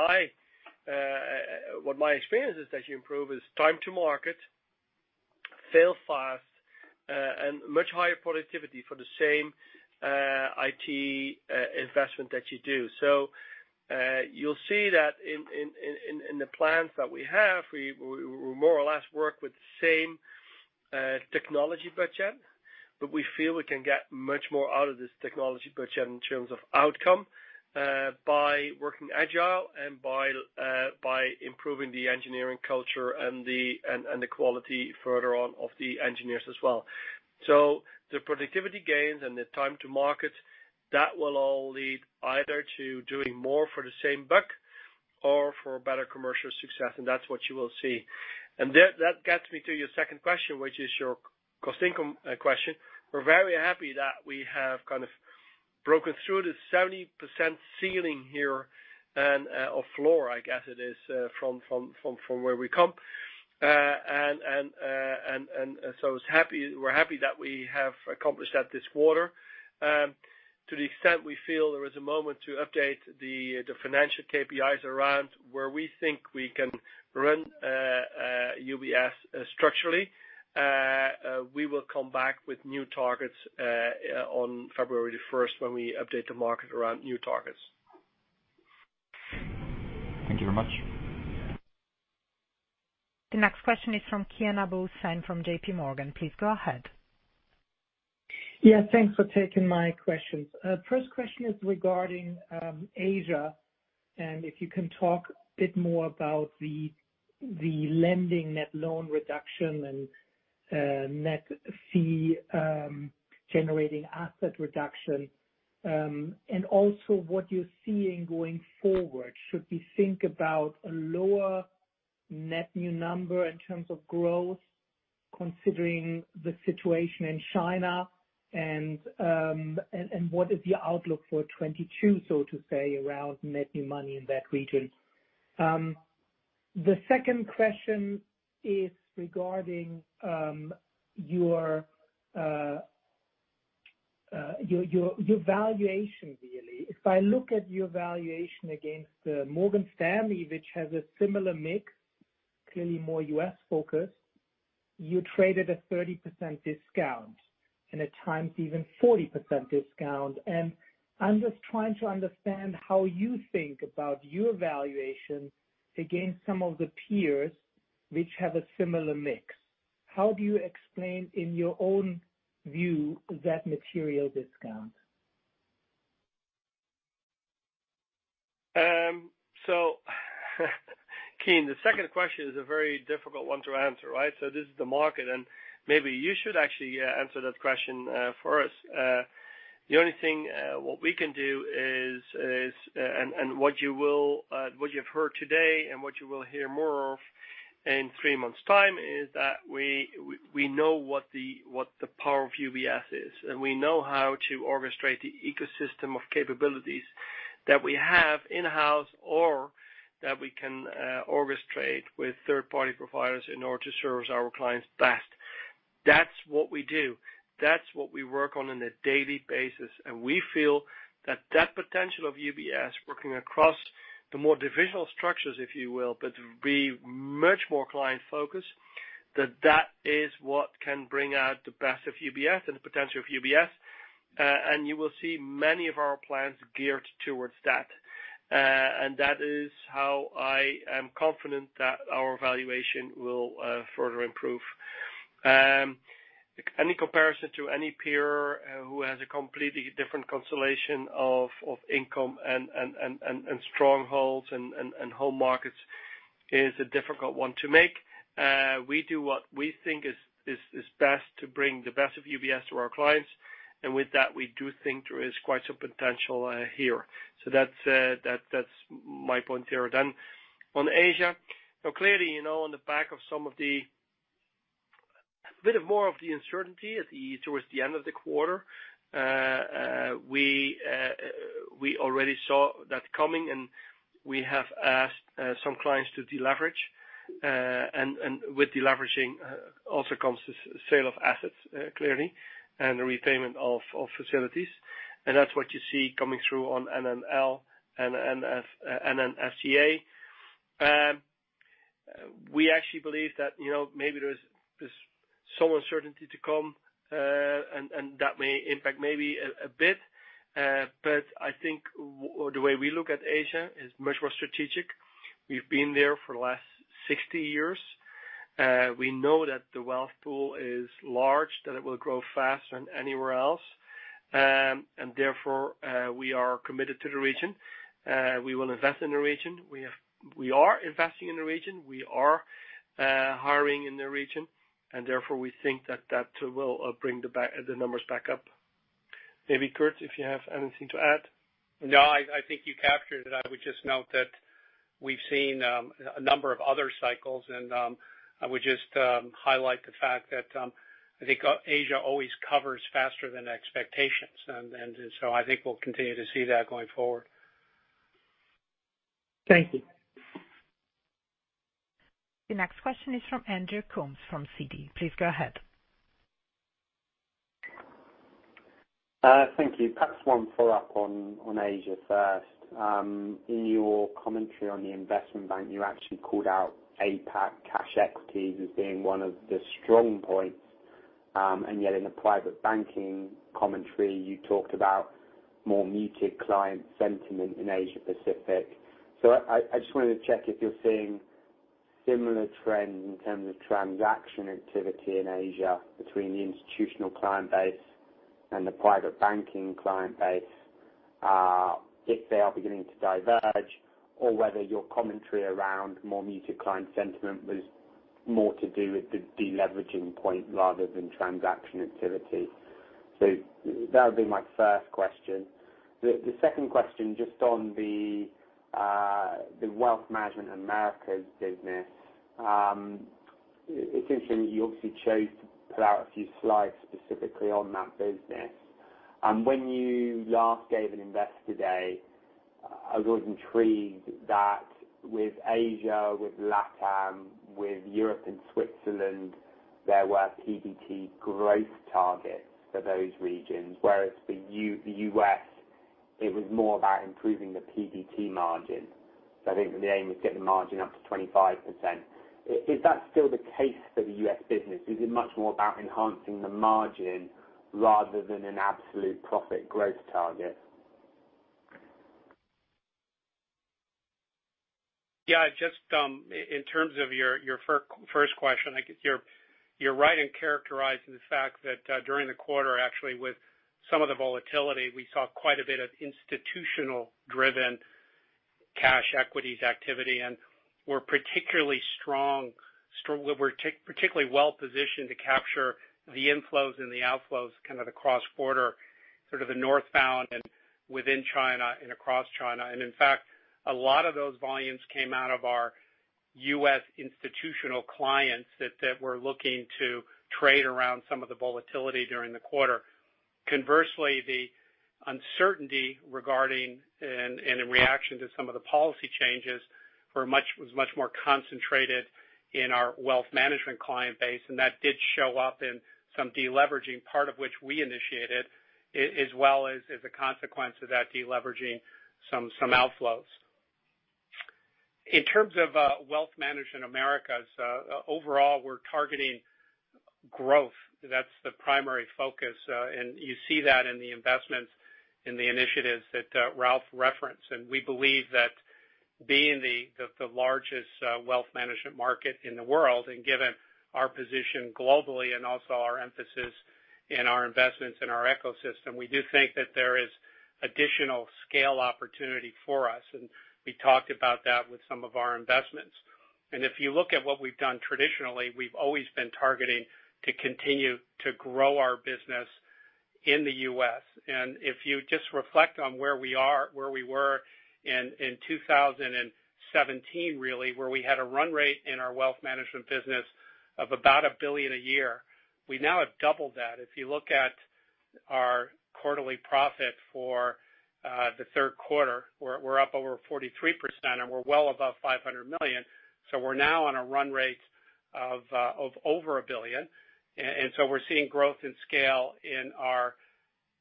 Speaker 3: my experience is that you improve is time to market, fail fast and much higher productivity for the same IT investment that you do. You'll see that in the plans that we have, we more or less work with the same technology budget, but we feel we can get much more out of this technology budget in terms of outcome by working agile and by improving the engineering culture and the quality further on of the engineers as well. The productivity gains and the time to market, that will all lead either to doing more for the same buck or for better commercial success, and that's what you will see. That gets me to your second question, which is your cost-income question. We're very happy that we have kind of broken through the 70% ceiling here and or floor, I guess it is from where we come. We're happy that we have accomplished that this quarter. To the extent we feel there is a moment to update the financial KPIs around where we think we can run UBS structurally, we will come back with new targets on February the first when we update the market around new targets.
Speaker 6: Thank you very much.
Speaker 1: The next question is from Kian Abouhossein from JPMorgan. Please go ahead.
Speaker 7: Yeah. Thanks for taking my questions. First question is regarding Asia. If you can talk a bit more about the lending net loan reduction and net fee generating asset reduction and also what you're seeing going forward, should we think about a lower net new number in terms of growth considering the situation in China? What is your outlook for 2022, so to say, around net new money in that region? The second question is regarding your valuation, really. If I look at your valuation against Morgan Stanley, which has a similar mix, clearly more U.S. focused, you traded a 30% discount and at times even 40% discount. I'm just trying to understand how you think about your valuation against some of the peers which have a similar mix. How do you explain, in your own view, that material discount?
Speaker 3: Kian, the second question is a very difficult one to answer, right? This is the market, and maybe you should actually answer that question for us. The only thing we can do is, and what you've heard today and what you will hear more of in three months' time is that we know what the power of UBS is, and we know how to orchestrate the ecosystem of capabilities that we have in-house or that we can orchestrate with third-party providers in order to service our clients best. That's what we do. That's what we work on a daily basis. We feel that potential of UBS working across the more divisional structures, if you will, but be much more client-focused, that is what can bring out the best of UBS and the potential of UBS. You will see many of our plans geared towards that. That is how I am confident that our valuation will further improve. Any comparison to any peer who has a completely different constellation of income and strongholds and home markets is a difficult one to make. We do what we think is best to bring the best of UBS to our clients. With that, we do think there is quite some potential here. That's my point zero. On Asia. Clearly, you know, on the back of a bit more of the uncertainty towards the end of the quarter, we already saw that coming, and we have asked some clients to deleverage. With deleveraging also comes the sale of assets, clearly, and repayment of facilities. That's what you see coming through on NNL and NNFGA. We actually believe that, you know, maybe there's some uncertainty to come, and that may impact maybe a bit. I think the way we look at Asia is much more strategic. We've been there for the last 60 years. We know that the wealth pool is large, that it will grow faster than anywhere else. Therefore, we are committed to the region. We will invest in the region. We are investing in the region. We are hiring in the region, and therefore we think that will bring the numbers back up. Maybe, Kirt, if you have anything to add.
Speaker 4: No, I think you captured it. I would just note that we've seen a number of other cycles, and I would just highlight the fact that I think Asia always recovers faster than expectations. I think we'll continue to see that going forward.
Speaker 7: Thank you.
Speaker 1: The next question is from Andrew Coombs from Citi. Please go ahead.
Speaker 8: Thank you. Perhaps one follow-up on Asia first. In your commentary on the investment bank, you actually called out APAC cash equities as being one of the strong points, and yet in the private banking commentary, you talked about more muted client sentiment in Asia Pacific. I just wanted to check if you're seeing similar trends in terms of transaction activity in Asia between the institutional client base and the private banking client base, if they are beginning to diverge or whether your commentary around more muted client sentiment was more to do with the deleveraging point rather than transaction activity. That would be my first question. The second question, just on the Wealth Management Americas business. It's interesting that you obviously chose to put out a few slides specifically on that business. When you last gave an Investor Day, I was intrigued that with Asia, with LATAM, with Europe and Switzerland, there were PBT growth targets for those regions, whereas the U.S., it was more about improving the PBT margin. I think the aim was to get the margin up to 25%. Is that still the case for the U.S. business? Is it much more about enhancing the margin rather than an absolute profit growth target?
Speaker 4: Yeah, just in terms of your first question, I guess you're right in characterizing the fact that, during the quarter, actually, with some of the volatility, we saw quite a bit of institutional-driven cash equities activity. We're particularly well-positioned to capture the inflows and the outflows, kind of the cross-border, sort of the northbound and within China and across China. In fact, a lot of those volumes came out of our U.S. institutional clients that were looking to trade around some of the volatility during the quarter. Conversely, the uncertainty regarding and in reaction to some of the policy changes was much more concentrated in our wealth management client base, and that did show up in some deleveraging, part of which we initiated as well as a consequence of that deleveraging some outflows. In terms of Wealth Management Americas overall, we're targeting growth. That's the primary focus. You see that in the investments, in the initiatives that Ralph referenced. We believe that being the largest wealth management market in the world, and given our position globally and also our emphasis in our investments in our ecosystem, we do think that there is additional scale opportunity for us. We talked about that with some of our investments. If you look at what we've done traditionally, we've always been targeting to continue to grow our business in the U.S. If you just reflect on where we are, where we were in 2017, really, where we had a run rate in our wealth management business of about $1 billion a year, we now have doubled that. If you look at our quarterly profit for the Q3, we're up over 43%, and we're well above 500 million. We're now on a run rate of over 1 billion. We're seeing growth in scale in our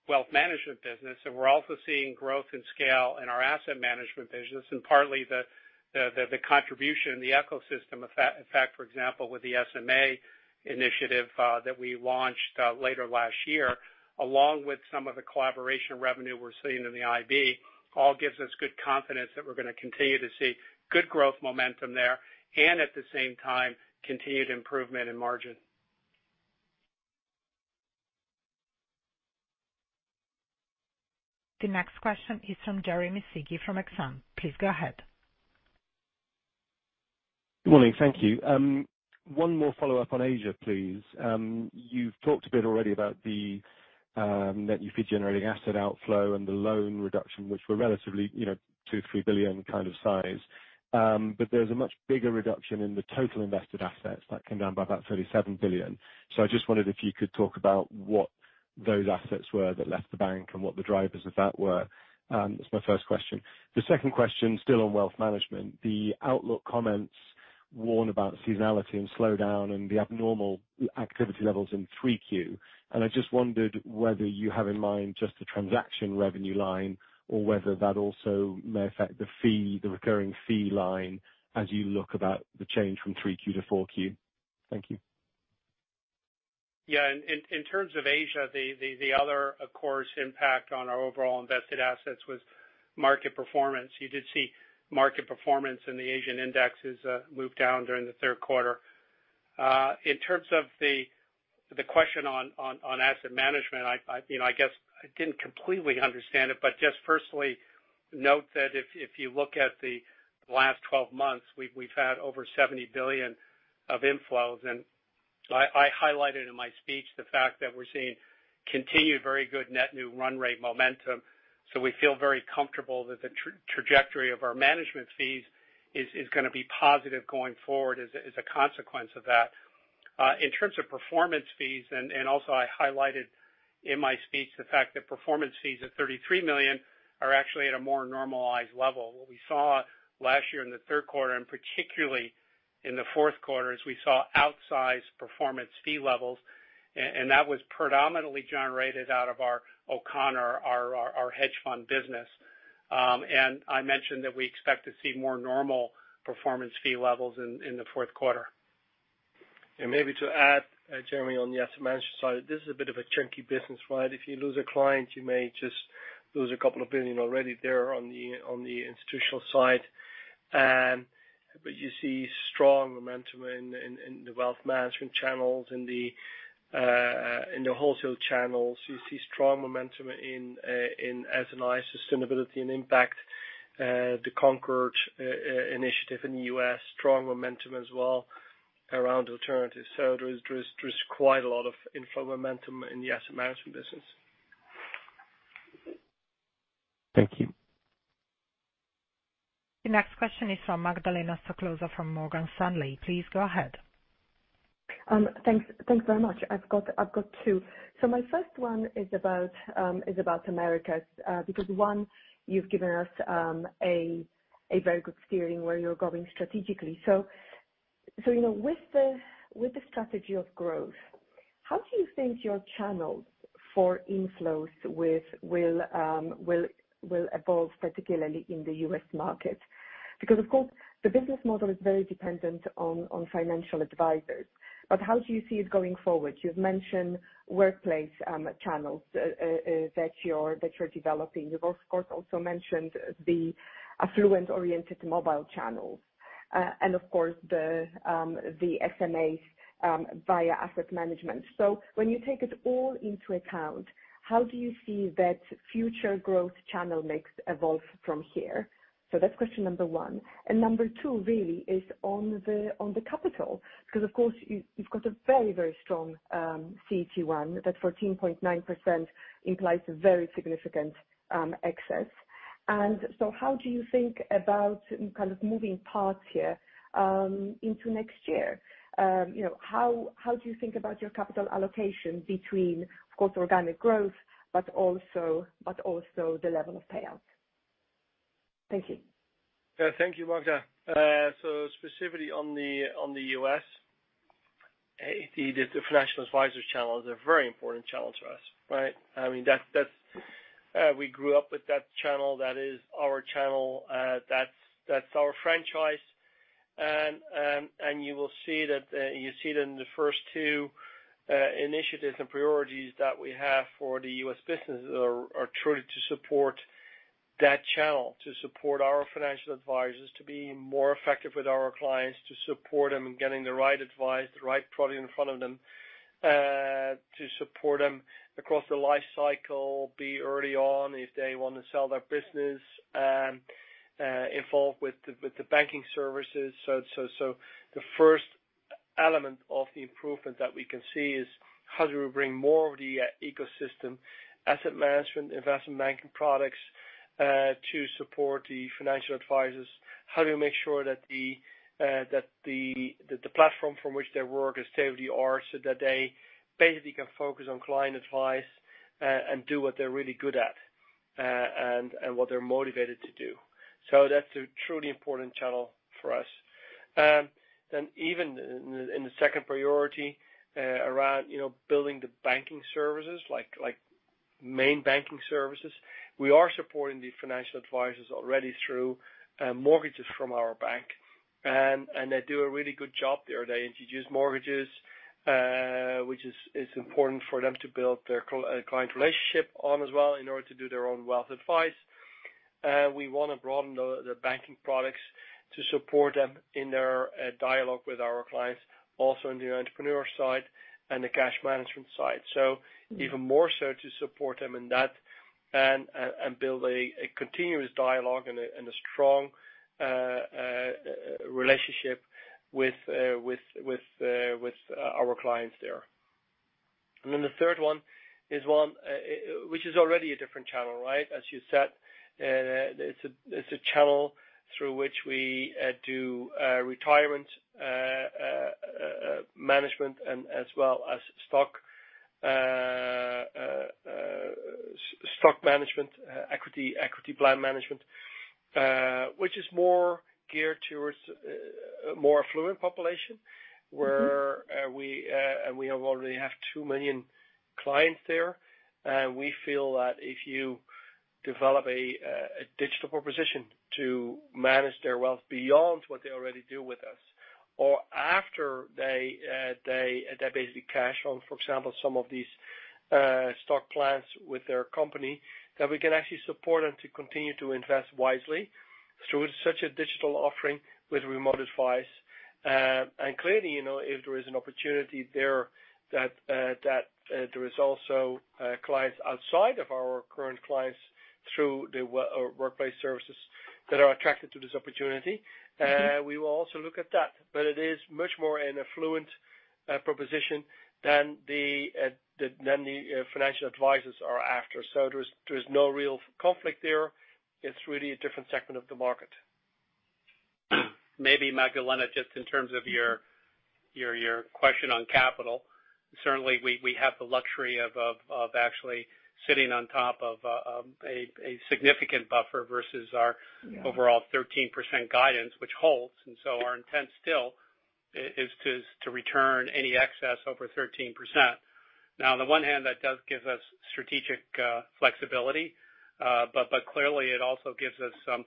Speaker 4: wealth management business, and we're also seeing growth in scale in our asset management business, partly the contribution in the ecosystem. In fact, for example, with the SMA initiative that we launched later last year, along with some of the collaboration revenue we're seeing in the IB, all gives us good confidence that we're gonna continue to see good growth momentum there and at the same time, continued improvement in margin.
Speaker 1: The next question is from Jeremy Sigee from Exane. Please go ahead.
Speaker 9: Good morning. Thank you. One more follow-up on Asia, please. You've talked a bit already about the net fee generating asset outflow and the loan reduction, which were relatively, you know, 2 billion, 3 billion kind of size. But there's a much bigger reduction in the total invested assets that came down by about 37 billion. So I just wondered if you could talk about what those assets were that left the bank and what the drivers of that were. That's my first question. The second question, still on Wealth Management. The outlook comments warn about seasonality and slowdown and the abnormal activity levels in 3Q. I just wondered whether you have in mind just the transaction revenue line or whether that also may affect the fee, the recurring fee line as you look about the change from 3Q to 4Q. Thank you.
Speaker 4: In terms of Asia, the other, of course, impact on our overall invested assets was market performance. You did see market performance in the Asian indexes move down during the Q3. In terms of the question on asset management, I you know, I guess I didn't completely understand it, but just firstly note that if you look at the last 12 months, we've had over 70 billion of inflows. I highlighted in my speech the fact that we're seeing continued very good net new run rate momentum. We feel very comfortable that the trajectory of our management fees is gonna be positive going forward as a consequence of that. In terms of performance fees, and also I highlighted in my speech the fact that performance fees at 33 million are actually at a more normalized level. What we saw last year in the Q3, and particularly in the Q4, is we saw outsized performance fee levels, and that was predominantly generated out of our O'Connor hedge fund business. I mentioned that we expect to see more normal performance fee levels in the Q4.
Speaker 3: Maybe to add, Jeremy, on the asset management side, this is a bit of a chunky business, right? If you lose a client, you may just lose a couple of billion already there on the institutional side. But you see strong momentum in the wealth management channels, in the wholesale channels. You see strong momentum in SI sustainability and impact. The Concord initiative in the U.S., strong momentum as well around alternatives. There's quite a lot of inflow momentum in the asset management business.
Speaker 9: Thank you.
Speaker 1: The next question is from Magdalena Stoklosa from Morgan Stanley. Please go ahead.
Speaker 10: Thanks. Thanks very much. I've got two. My first one is about Americas, because you've given us a very good steering where you're going strategically. You know, with the strategy of growth, how do you think your channels for inflows will evolve, particularly in the U.S. market? Because of course, the business model is very dependent on financial advisors. How do you see it going forward? You've mentioned workplace channels that you're developing. You've also, of course, mentioned the affluent-oriented mobile channels, and of course, the SMAs via asset management. When you take it all into account, how do you see that future growth channel mix evolve from here? That's question number one. Number two really is on the capital, because of course, you've got a very strong CET1. That 14.9% implies a very significant excess. How do you think about kind of moving parts here into next year? You know, how do you think about your capital allocation between, of course, organic growth, but also the level of payout? Thank you.
Speaker 3: Thank you, Magda. So specifically on the U.S., the financial advisors channel is a very important channel for us, right? I mean, that's we grew up with that channel. That is our channel. That's our franchise. You will see that, you see it in the first two initiatives and priorities that we have for the U.S. business are truly to support that channel, to support our financial advisors, to be more effective with our clients, to support them in getting the right advice, the right product in front of them, to support them across the lifecycle, be early on if they wanna sell their business, involved with the banking services. The first element of the improvement that we can see is how do we bring more of the ecosystem, asset management, investment banking products, to support the financial advisors? How do we make sure that the platform from which they work is state-of-the-art so that they basically can focus on client advice and do what they're really good at, and what they're motivated to do. That's a truly important channel for us. Even in the second priority, around, you know, building the banking services, like main banking services, we are supporting the financial advisors already through, mortgages from our bank. They do a really good job there. They introduce mortgages, which is important for them to build their client relationship on as well in order to do their own wealth advice. We wanna broaden the banking products to support them in their dialogue with our clients, also in the entrepreneur side and the cash management side. Even more so to support them in that and build a continuous dialogue and a strong relationship with our clients there. Then the third one is one which is already a different channel, right? As you said, it's a channel through which we do retirement management and as well as stock management, equity plan management, which is more geared towards a more affluent population where we already have two million clients there. We feel that if you develop a digital proposition to manage their wealth beyond what they already do with us or after they basically cash in on, for example, some of these stock plans with their company, that we can actually support them to continue to invest wisely through such a digital offering with remote advice. Clearly, you know, if there is an opportunity there that there is also clients outside of our current clients through the workplace services that are attracted to this opportunity, we will also look at that. It is much more an affluent proposition than the financial advisors are after. There's no real conflict there. It's really a different segment of the market.
Speaker 4: Maybe Magdalena, just in terms of your question on capital, certainly we have the luxury of actually sitting on top of a significant buffer versus our overall 13% guidance, which holds. Our intent still is to return any excess over 13%. Now on the one hand, that does give us strategic flexibility, but clearly it also gives us some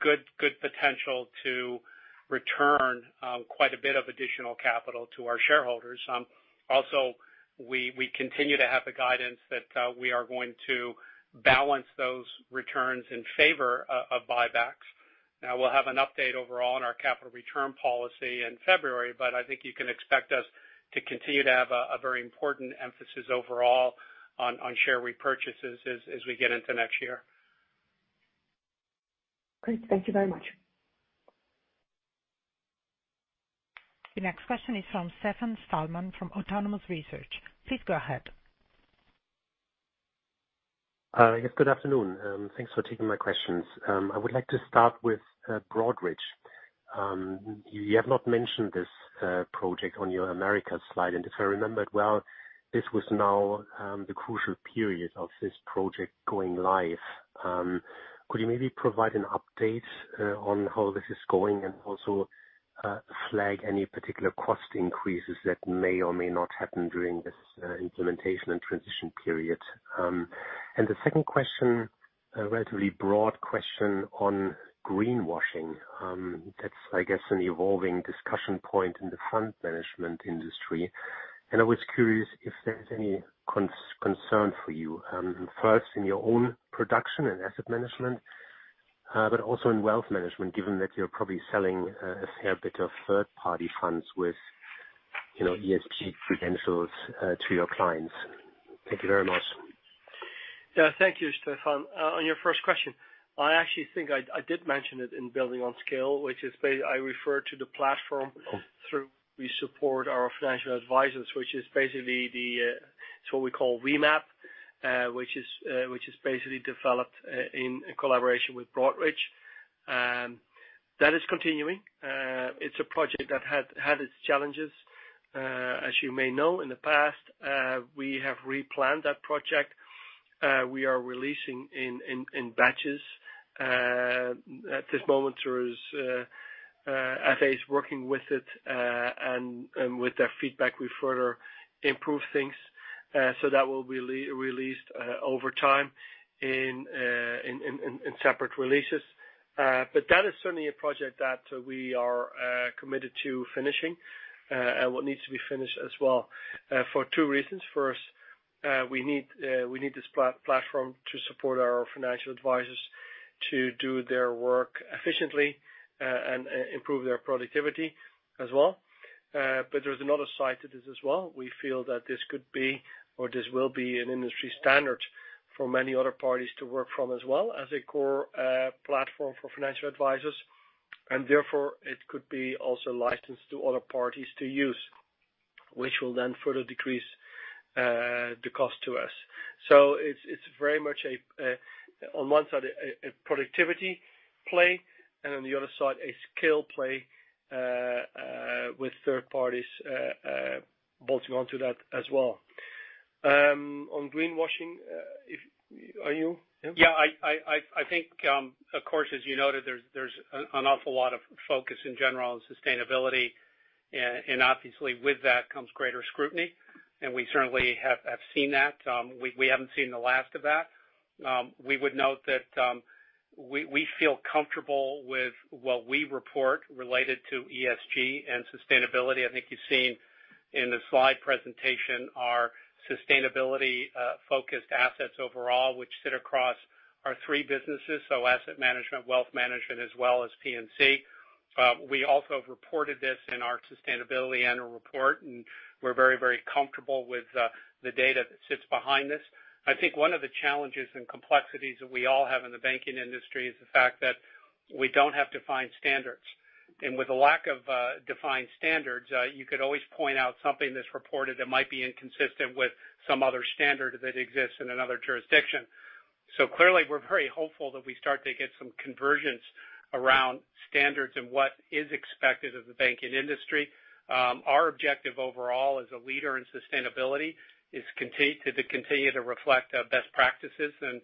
Speaker 4: good potential to return quite a bit of additional capital to our shareholders. Also we continue to have the guidance that we are going to balance those returns in favor of buybacks. Now, we'll have an update overall on our capital return policy in February, but I think you can expect us to continue to have a very important emphasis overall on share repurchases as we get into next year.
Speaker 10: Great. Thank you very much.
Speaker 1: The next question is from Stefan Stalmann from Autonomous Research. Please go ahead.
Speaker 11: Yes, good afternoon. Thanks for taking my questions. I would like to start with Broadridge. You have not mentioned this project on your Americas slide, and if I remembered well, this was now the crucial period of this project going live. Could you maybe provide an update on how this is going and also flag any particular cost increases that may or may not happen during this implementation and transition period? And the second question. A relatively broad question on greenwashing. That's I guess an evolving discussion point in the fund management industry. I was curious if there's any concern for you, first in your own production and asset management, but also in wealth management, given that you're probably selling a fair bit of third-party funds with, you know, ESG credentials to your clients. Thank you very much.
Speaker 3: Yeah. Thank you, Stefan. On your first question, I actually think I did mention it in building on scale, which is, I refer to the platform through which we support our financial advisors, which is basically what we call VMAP, which is basically developed in collaboration with Broadridge. That is continuing. It's a project that had its challenges. As you may know in the past, we have replanned that project. We are releasing in batches. At this moment, FA is working with it, and with their feedback, we further improve things. So that will be released over time in separate releases. That is certainly a project that we are committed to finishing, and what needs to be finished as well, for two reasons. First, we need this platform to support our financial advisors to do their work efficiently, and improve their productivity as well. There's another side to this as well. We feel that this could be, or this will be an industry standard for many other parties to work from as well as a core platform for financial advisors. Therefore, it could be also licensed to other parties to use, which will then further decrease the cost to us. It's very much on one side a productivity play, and on the other side, a skill play with third parties bolting on to that as well. Are you, Kirt?
Speaker 4: Yeah, I think, of course, as you noted, there's an awful lot of focus in general on sustainability, and obviously with that comes greater scrutiny. We certainly have seen that. We haven't seen the last of that. We would note that, we feel comfortable with what we report related to ESG and sustainability. I think you've seen in the slide presentation our sustainability focused assets overall, which sit across our three businesses, so asset management, wealth management, as well as P&C. We also have reported this in our sustainability annual report, and we're very comfortable with the data that sits behind this. I think one of the challenges and complexities that we all have in the banking industry is the fact that we don't have defined standards. With a lack of defined standards, you could always point out something that's reported that might be inconsistent with some other standard that exists in another jurisdiction. Clearly, we're very hopeful that we start to get some convergence around standards and what is expected of the banking industry. Our objective overall as a leader in sustainability is to continue to reflect our best practices and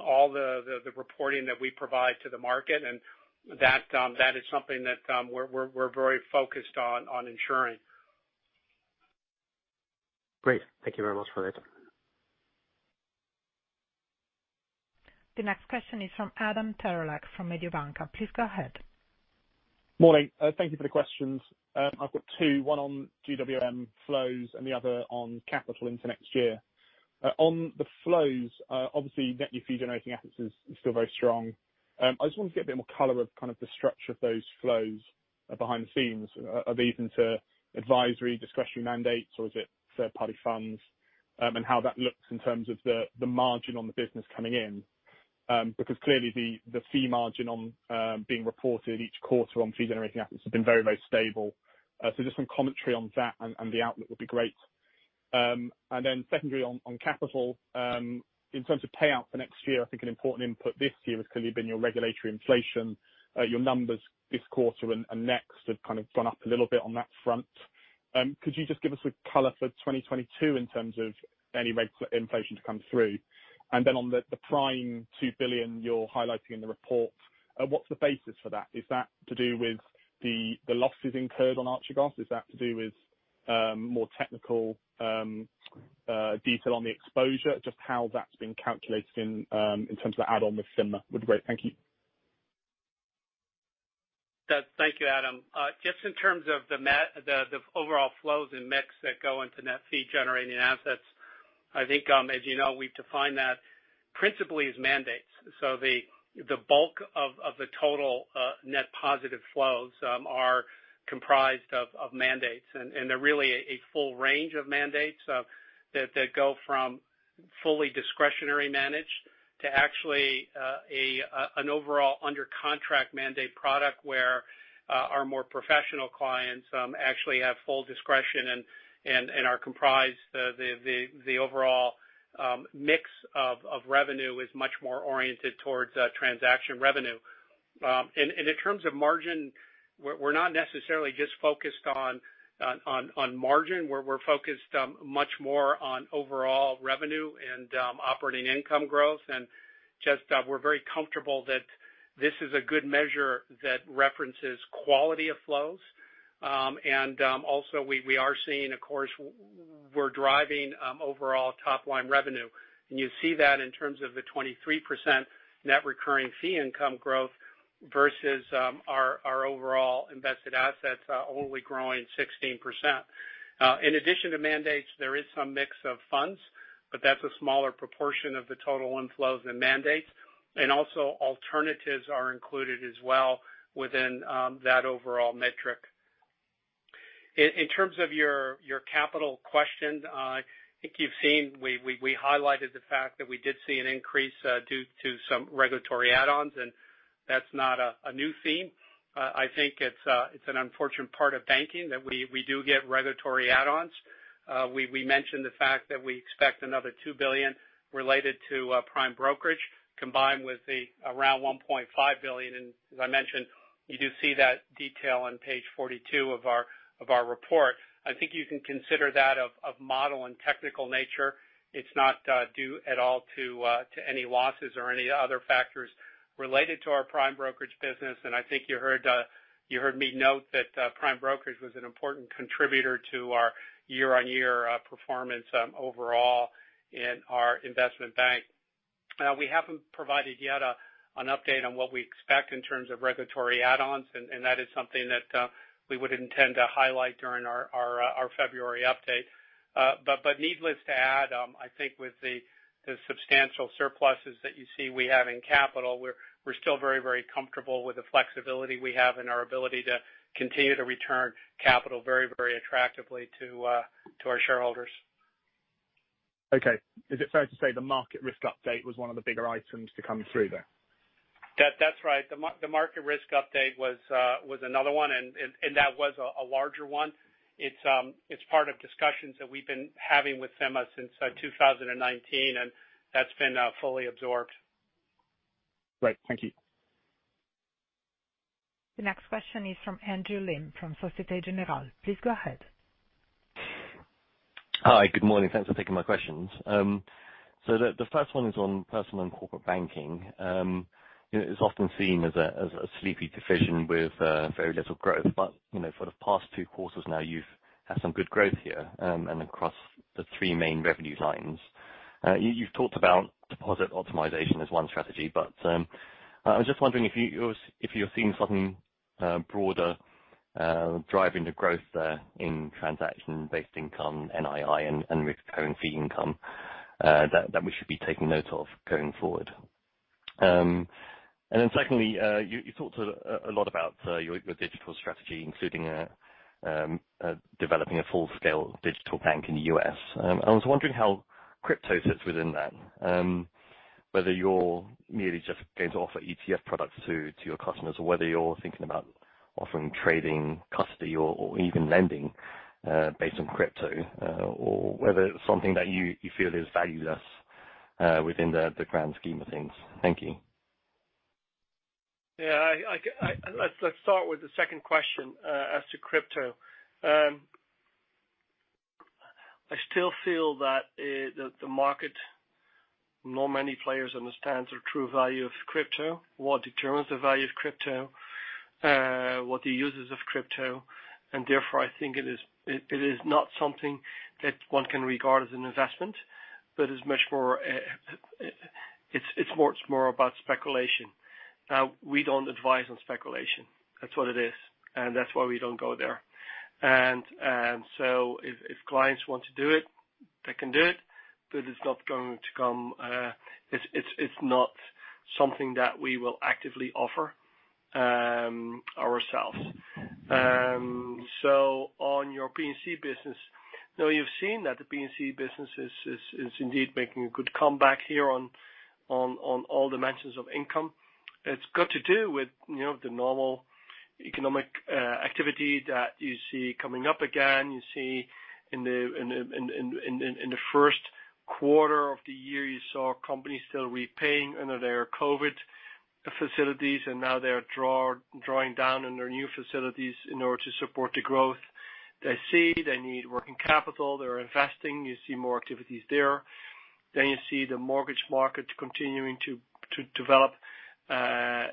Speaker 4: all the reporting that we provide to the market, and that is something that we're very focused on ensuring.
Speaker 11: Great. Thank you very much for that.
Speaker 1: The next question is from Adam Terelak from Mediobanca. Please go ahead.
Speaker 12: Morning. Thank you for the questions. I've got two, one on GWM flows and the other on capital into next year. On the flows, obviously, net new fee-generating assets is still very strong. I just wanted to get a bit more color of kind of the structure of those flows behind the scenes. Are these into advisory discretionary mandates or is it third-party funds? And how that looks in terms of the margin on the business coming in. Because clearly the fee margin on being reported each quarter on fee-generating assets has been very, very stable. So just some commentary on that and the outlook would be great. And then secondly, on capital, in terms of payout for next year, I think an important input this year has clearly been your regulatory inflation. Your numbers this quarter and next have kind of gone up a little bit on that front. Could you just give us a color for 2022 in terms of any reg inflation to come through? Then on the prime $2 billion you're highlighting in the report, what's the basis for that? Is that to do with the losses incurred on Archegos? Is that to do with more technical detail on the exposure, just how that's been calculated in terms of the add-on with FINMA? That would be great. Thank you.
Speaker 4: Thank you, Adam. Just in terms of the overall flows and mix that go into net fee generating assets, I think, as you know, we've defined that principally as mandates. The bulk of the total net positive flows are comprised of mandates. They're really a full range of mandates that go from fully discretionary managed to actually an overall under contract mandate product where our more professional clients actually have full discretion, and the overall mix of revenue is much more oriented towards transaction revenue. In terms of margin, we're not necessarily just focused on margin. We're focused much more on overall revenue and operating income growth. Just, we're very comfortable that this is a good measure that references quality of flows. We are seeing, of course, we're driving overall top line revenue. You see that in terms of the 23% net recurring fee income growth versus our overall invested assets are only growing 16%. In addition to mandates, there is some mix of funds, but that's a smaller proportion of the total inflows and mandates. Also alternatives are included as well within that overall metric. In terms of your capital question, I think you've seen we highlighted the fact that we did see an increase due to some regulatory add-ons, and that's not a new theme. I think it's an unfortunate part of banking that we do get regulatory add-ons. We mentioned the fact that we expect another 2 billion related to prime brokerage, combined with the around 1.5 billion. As I mentioned, you do see that detail on Page 42 of our report. I think you can consider that of model and technical nature. It's not due at all to any losses or any other factors related to our prime brokerage business. I think you heard me note that prime brokerage was an important contributor to our year-on-year performance overall in our investment bank. We haven't provided yet an update on what we expect in terms of regulatory add-ons, and that is something that we would intend to highlight during our February update. Needless to add, I think with the substantial surpluses that you see we have in capital, we're still very, very comfortable with the flexibility we have and our ability to continue to return capital very, very attractively to our shareholders.
Speaker 12: Okay. Is it fair to say the market risk update was one of the bigger items to come through then?
Speaker 4: That's right. The market risk update was another one, and that was a larger one. It's part of discussions that we've been having with FINMA since 2019, and that's been fully absorbed.
Speaker 12: Right. Thank you.
Speaker 1: The next question is from Andrew Lim, from Société Générale. Please go ahead.
Speaker 13: Hi, good morning. Thanks for taking my questions. So the first one is on Personal and Corporate Banking. You know, it's often seen as a sleepy division with very little growth. For the past two quarters now, you've had some good growth here, and across the three main revenue lines. You've talked about deposit optimization as one strategy, but I was just wondering if you're seeing something broader driving the growth there in transaction-based income, NII, and recurring fee income that we should be taking note of going forward. Secondly, you talked a lot about your digital strategy, including developing a full-scale digital bank in the U.S. I was wondering how crypto sits within that. Whether you're merely just going to offer ETF products to your customers or whether you're thinking about offering trading custody or even lending based on crypto or whether it's something that you feel is valueless within the grand scheme of things? Thank you.
Speaker 3: Yeah. Let's start with the second question as to crypto. I still feel that the market, not many players understand the true value of crypto, what determines the value of crypto, what the users of crypto. Therefore, I think it is not something that one can regard as an investment, but it's much more, it's more about speculation. Now, we don't advise on speculation. That's what it is. That's why we don't go there. If clients want to do it, they can do it, but it's not something that we will actively offer ourselves. On your P&C business, now you've seen that the P&C business is indeed making a good comeback here on all dimensions of income. It's got to do with, you know, the normal economic activity that you see coming up again. You see in the Q1 of the year, you saw companies still repaying under their COVID facilities, and now they are drawing down on their new facilities in order to support the growth they see. They need working capital. They're investing. You see more activities there. You see the mortgage market continuing to develop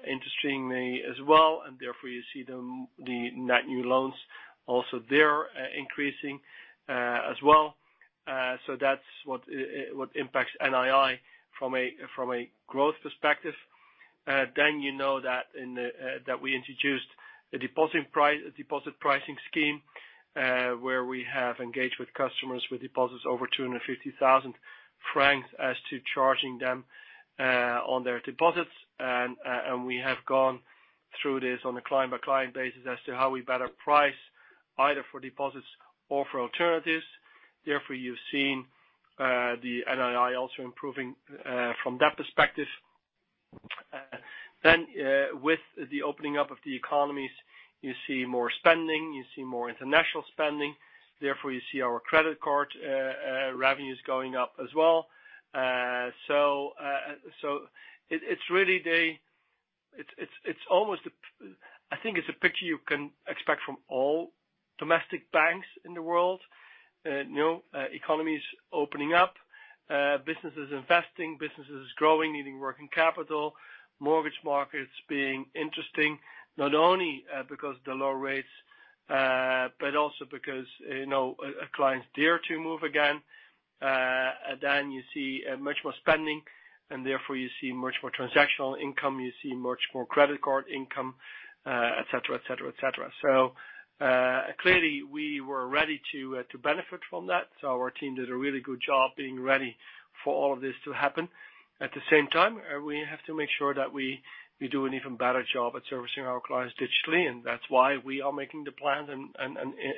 Speaker 3: interestingly as well, and therefore you see the net new loans also there increasing as well. That's what impacts NII from a growth perspective. You know that we introduced a deposit pricing scheme where we have engaged with customers with deposits over 250,000 francs as to charging them on their deposits. We have gone through this on a client-by-client basis as to how we better price either for deposits or for alternatives. Therefore, you've seen the NII also improving from that perspective. With the opening up of the economies, you see more spending. You see more international spending. Therefore, you see our credit card revenues going up as well. It's really the. It's almost the. I think it's a picture you can expect from all domestic banks in the world. You know, economies opening up, businesses investing, businesses growing, needing working capital, mortgage markets being interesting, not only because the low rates, but also because, you know, clients dare to move again. You see much more spending, and therefore you see much more transactional income, you see much more credit card income, et cetera, et cetera, et cetera. Clearly we were ready to benefit from that. Our team did a really good job being ready for all of this to happen. At the same time, we have to make sure that we do an even better job at servicing our clients digitally, and that's why we are making the plans and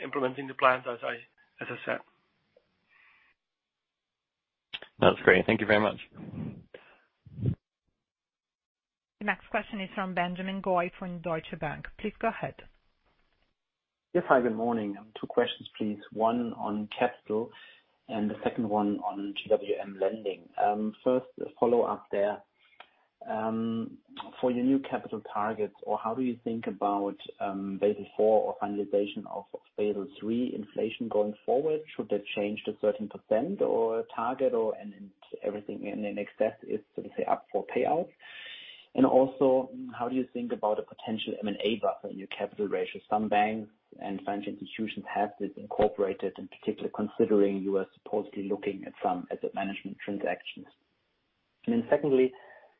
Speaker 3: implementing the plans as I said.
Speaker 13: That's great. Thank you very much.
Speaker 1: The next question is from Benjamin Goy from Deutsche Bank. Please go ahead.
Speaker 14: Yes. Hi, good morning. Two questions, please. One on capital and the second one on GWM lending. First, a follow-up there. For your new capital targets or how do you think about Basel IV or finalization of Basel III inflation going forward, should that change to 13% or target or and everything in excess is, so to say, up for payout? Also, how do you think about a potential M&A buffer in your capital ratio? Some banks and financial institutions have this incorporated, in particular considering you are supposedly looking at some asset management transactions. Secondly,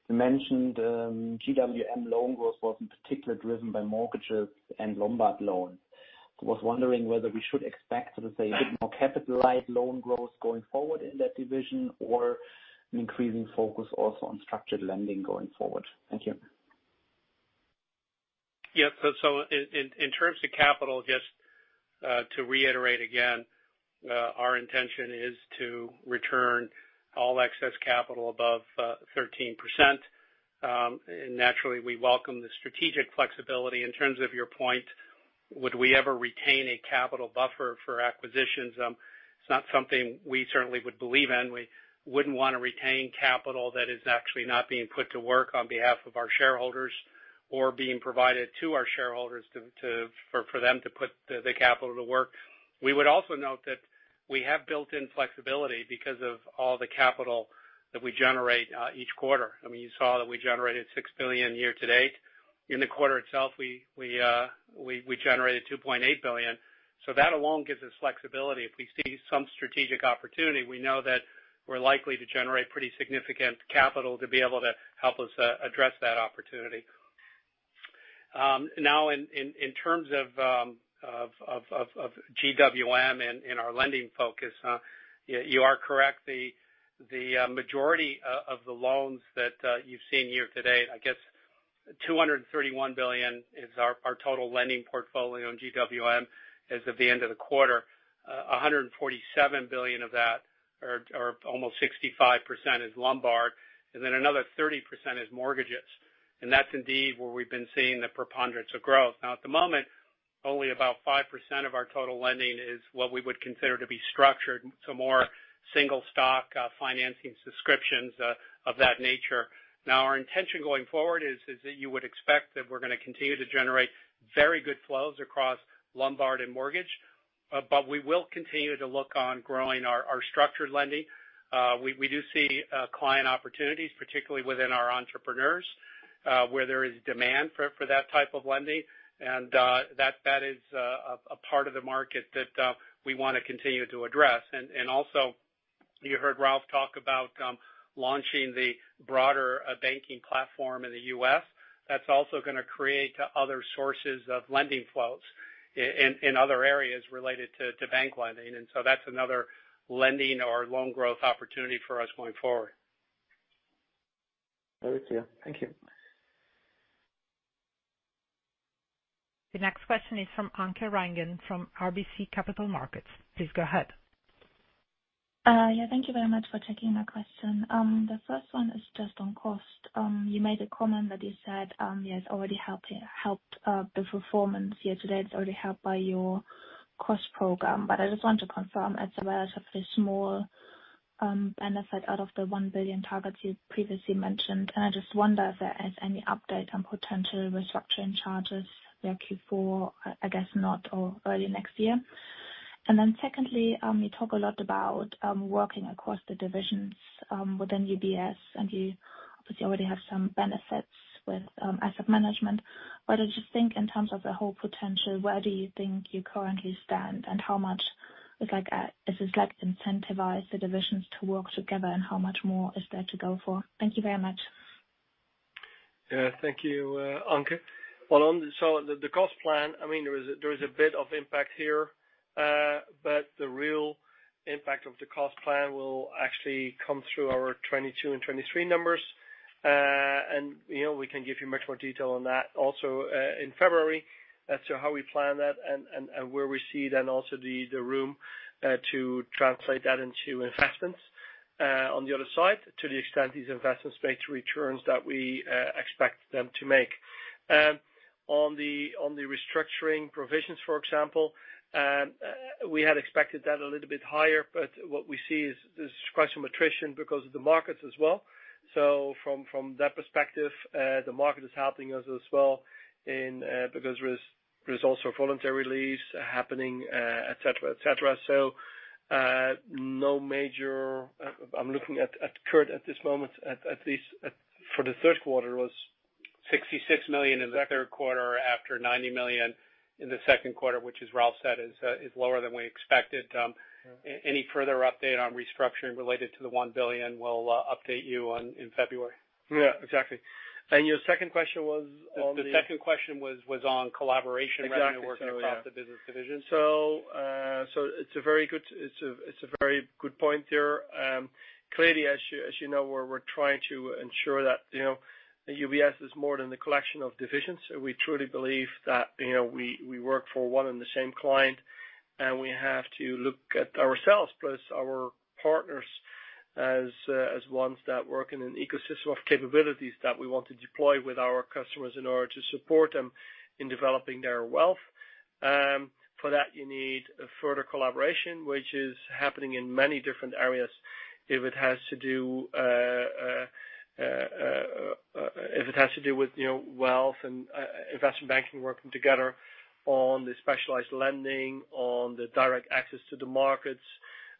Speaker 14: you mentioned GWM loan growth was in particular driven by mortgages and Lombard loan. I was wondering whether we should expect, so to say, a bit more capitalized loan growth going forward in that division or an increasing focus also on structured lending going forward. Thank you.
Speaker 4: In terms of capital, to reiterate again, our intention is to return all excess capital above 13%. Naturally, we welcome the strategic flexibility. In terms of your point, would we ever retain a capital buffer for acquisitions? It's not something we certainly would believe in. We wouldn't wanna retain capital that is actually not being put to work on behalf of our shareholders or being provided to our shareholders for them to put the capital to work. We would also note that we have built in flexibility because of all the capital that we generate each quarter. I mean, you saw that we generated 6 billion year-to-date. In the quarter itself, we generated 2.8 billion. That alone gives us flexibility. If we see some strategic opportunity, we know that we're likely to generate pretty significant capital to be able to help us address that opportunity. Now in terms of GWM and our lending focus, you are correct. The majority of the loans that you've seen year-to-date, I guess 231 billion is our total lending portfolio in GWM as of the end of the quarter. 147 billion of that or almost 65% is Lombard, and then another 30% is mortgages. That's indeed where we've been seeing the preponderance of growth. Now, at the moment, only about 5% of our total lending is what we would consider to be structured, so more single stock financing subscriptions of that nature. Now, our intention going forward is that you would expect that we're gonna continue to generate very good flows across Lombard and mortgage, but we will continue to look on growing our structured lending. We do see client opportunities, particularly within our entrepreneurs, where there is demand for that type of lending. That is a part of the market that we wanna continue to address. Also, you heard Ralph talk about launching the broader banking platform in the U.S. That's also gonna create other sources of lending flows in other areas related to bank lending. That's another lending or loan growth opportunity for us going forward.
Speaker 14: Very clear. Thank you.
Speaker 1: The next question is from Anke Reingen from RBC Capital Markets. Please go ahead.
Speaker 15: Yeah. Thank you very much for taking my question. The first one is just on cost. You made a comment that you said it's already helped the performance year-to-date. It's already helped by your cost program. I just want to confirm it's a relatively small benefit out of the one billion targets you previously mentioned. I just wonder if there is any update on potential restructuring charges, you know, Q4, I guess not, or early next year. Secondly, you talk a lot about working across the divisions within UBS, and you obviously already have some benefits with asset management. I just think in terms of the whole potential, where do you think you currently stand, and how much is like, is this, like, incentivize the divisions to work together, and how much more is there to go for? Thank you very much.
Speaker 3: Yeah. Thank you, Anke. The cost plan, I mean, there is a bit of impact here. But the real impact of the cost plan will actually come through our 2022 and 2023 numbers. You know, we can give you much more detail on that also in February as to how we plan that and where we see then also the room to translate that into investments on the other side, to the extent these investments make returns that we expect them to make. On the restructuring provisions, for example, we had expected that a little bit higher, but what we see is quite some attrition because of the markets as well. From that perspective, the market is helping us as well in, because there's also voluntary release happening, et cetera, et cetera. I'm looking at Kirt at this moment, at least at for the Q3 was *crosstalk*
Speaker 4: 66 million in the Q3 after 90 million in the Q2, which as Ralph said, is lower than we expected. Any further update on restructuring related to the $1 billion, we'll update you on in February.
Speaker 3: Yeah, exactly. Your second question was on the *crosstalk*
Speaker 4: The second question was on collaboration.
Speaker 3: Exactly.
Speaker 4: *crosstalk* revenue working across the business division.
Speaker 3: It's a very good point there. Clearly, as you know, we're trying to ensure that, you know, that UBS is more than the collection of divisions. We truly believe that, you know, we work for one and the same client, and we have to look at ourselves plus our partners as ones that work in an ecosystem of capabilities that we want to deploy with our customers in order to support them in developing their wealth. For that, you need a further collaboration, which is happening in many different areas. If it has to do with, you know, wealth and investment banking working together on the specialized lending, on the direct access to the markets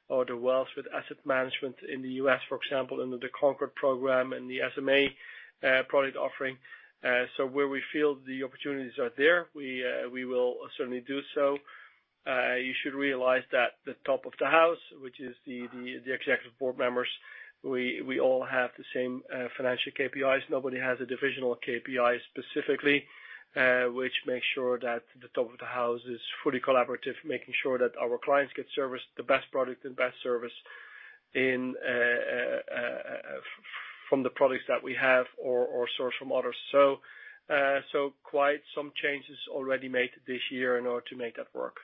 Speaker 3: or the wealth with asset management in the U.S., for example, under the Concord program and the SMA product offering. Where we feel the opportunities are there, we will certainly do so. You should realize that the top of the house, which is the executive board members, we all have the same financial KPIs. Nobody has a divisional KPI specifically, which makes sure that the top of the house is fully collaborative, making sure that our clients get serviced the best product and best service from the products that we have or source from others. Quite some changes already made this year in order to make that work.